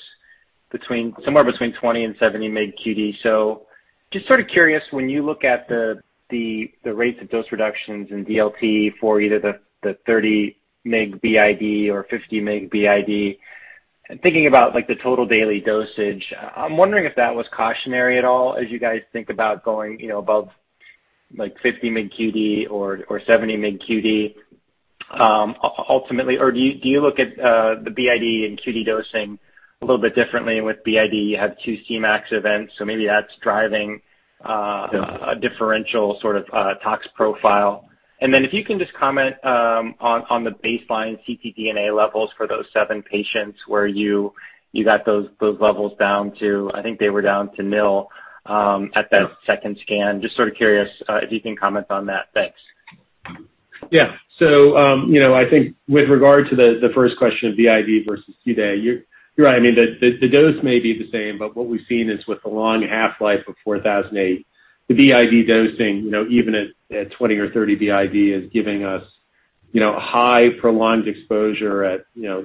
somewhere between 20 mg and 70 mg QD. Just sort of curious, when you look at the rates of dose reductions in DLT for either the 30 mg BID or 50 mg BID, thinking about the total daily dosage, I'm wondering if that was cautionary at all as you guys think about going above 50 mg QD or 70 mg QD, ultimately. Do you look at the BID and QD dosing a little bit differently? With BID, you have two Cmax events, so maybe that's driving a differential sort of tox profile. If you can just comment on the baseline ctDNA levels for those seven patients where you got those levels down to, I think they were down to nil at that second scan. Just sort of curious if you can comment on that. Thanks. I think with regard to the first question of BID versus Qday, you're right. The dose may be the same, what we've seen is with the long half-life of 4008, the BID dosing, even at 20 mg or 30 mg BID, is giving us high, prolonged exposure at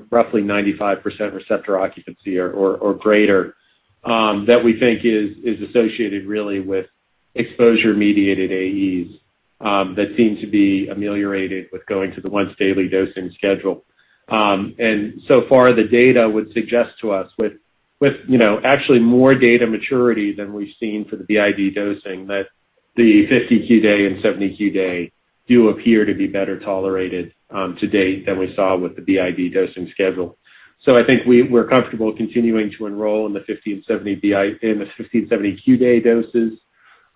roughly 95% receptor occupancy or greater, that we think is associated really with exposure-mediated AEs that seem to be ameliorated with going to the once daily dosing schedule. So far, the data would suggest to us with actually more data maturity than we've seen for the BID dosing, that the 50 mg Qday and 70 mg Qday do appear to be better tolerated to date than we saw with the BID dosing schedule. I think we're comfortable continuing to enroll in the 50 mg and 70 mg Qday doses.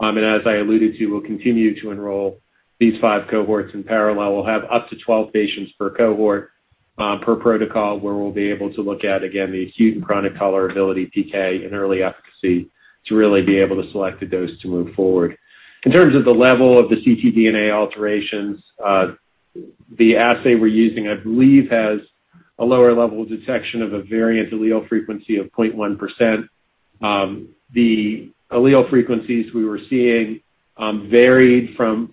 As I alluded to, we'll continue to enroll these five cohorts in parallel. We'll have up to 12 patients per cohort, per protocol, where we'll be able to look at, again, the acute and chronic tolerability, PK, and early efficacy to really be able to select a dose to move forward. In terms of the level of the ctDNA alterations, the assay we're using, I believe, has a lower level of detection of a variant allele frequency of 0.1%. The allele frequencies we were seeing varied from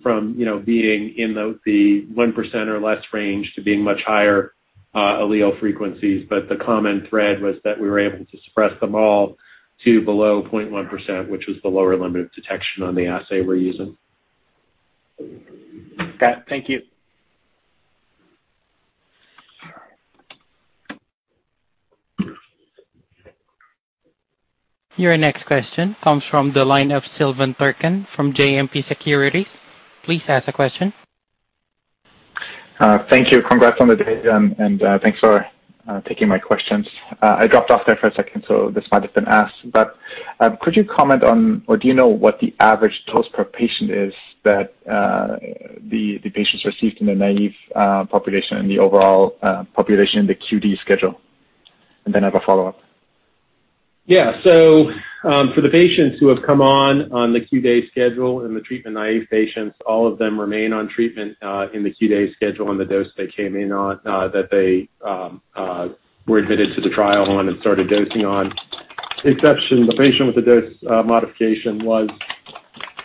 being in the 1% or less range to being much higher allele frequencies. The common thread was that we were able to suppress them all to below 0.1%, which was the lower limit of detection on the assay we're using. Got it. Thank you. Your next question comes from the line of Silvan Tuerkcan from JMP Securities. Please ask a question. Thank you. Congrats on the data, and thanks for taking my questions. I dropped off there for a second, this might have been asked. Could you comment on, or do you know what the average dose per patient is that the patients received in the naive population, in the overall population, the QD schedule? I have a follow-up. Yeah. For the patients who have come on the Qday schedule and the treatment-naive patients, all of them remain on treatment in the Qday schedule on the dose they came in on, that they were admitted to the trial on and started dosing on. The exception, the patient with the dose modification was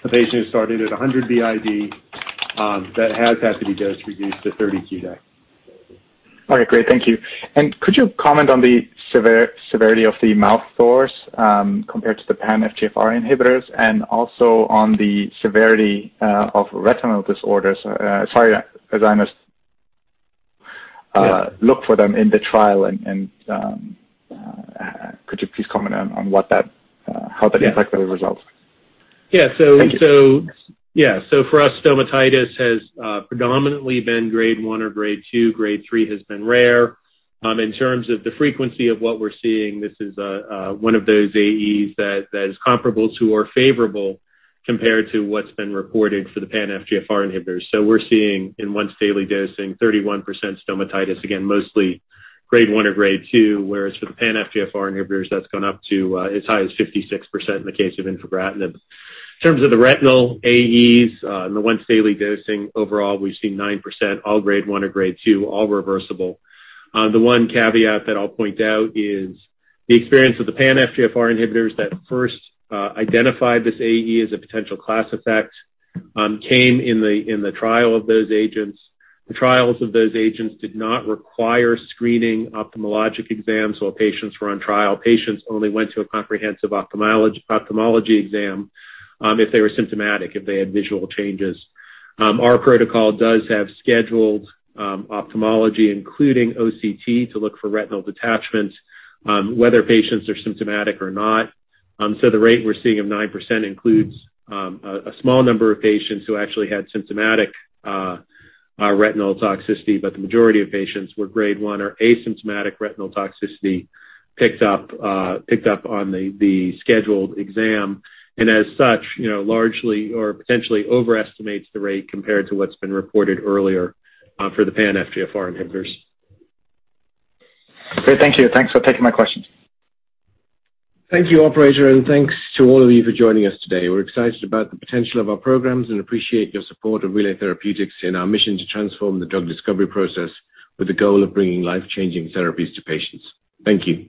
a patient who started at 100 mg BID, that has had to be dose reduced to 30 mg Qday. All right, great. Thank you. Could you comment on the severity of the mouth sores compared to the pan FGFR inhibitors, and also on the severity of retinal disorders? Yeah look for them in the trial, and could you please comment on how that? Yeah impacted the results? Yeah. Thank you. For us, stomatitis has predominantly been Grade 1 or Grade 2. Grade 3 has been rare. In terms of the frequency of what we're seeing, this is one of those AEs that is comparable to or favorable compared to what's been reported for the pan FGFR inhibitors. We're seeing in once daily dosing, 31% stomatitis, again, mostly Grade 1 or Grade 2, whereas for the pan FGFR inhibitors, that's gone up to as high as 56% in the case of infigratinib. In terms of the retinal AEs in the once daily dosing, overall, we've seen 9%, all Grade 1 or Grade 2, all reversible. The one caveat that I'll point out is the experience with the pan FGFR inhibitors that first identified this AE as a potential class effect came in the trial of those agents. The trials of those agents did not require screening ophthalmologic exams while patients were on trial. Patients only went to a comprehensive ophthalmology exam if they were symptomatic, if they had visual changes. Our protocol does have scheduled ophthalmology, including OCT to look for retinal detachment, whether patients are symptomatic or not. The rate we're seeing of 9% includes a small number of patients who actually had symptomatic retinal toxicity, but the majority of patients were Grade 1 or asymptomatic retinal toxicity picked up on the scheduled exam, and as such, largely or potentially overestimates the rate compared to what's been reported earlier for the pan FGFR inhibitors. Great. Thank you. Thanks for taking my questions. Thank you, operator, and thanks to all of you for joining us today. We're excited about the potential of our programs and appreciate your support of Relay Therapeutics in our mission to transform the drug discovery process with the goal of bringing life-changing therapies to patients. Thank you.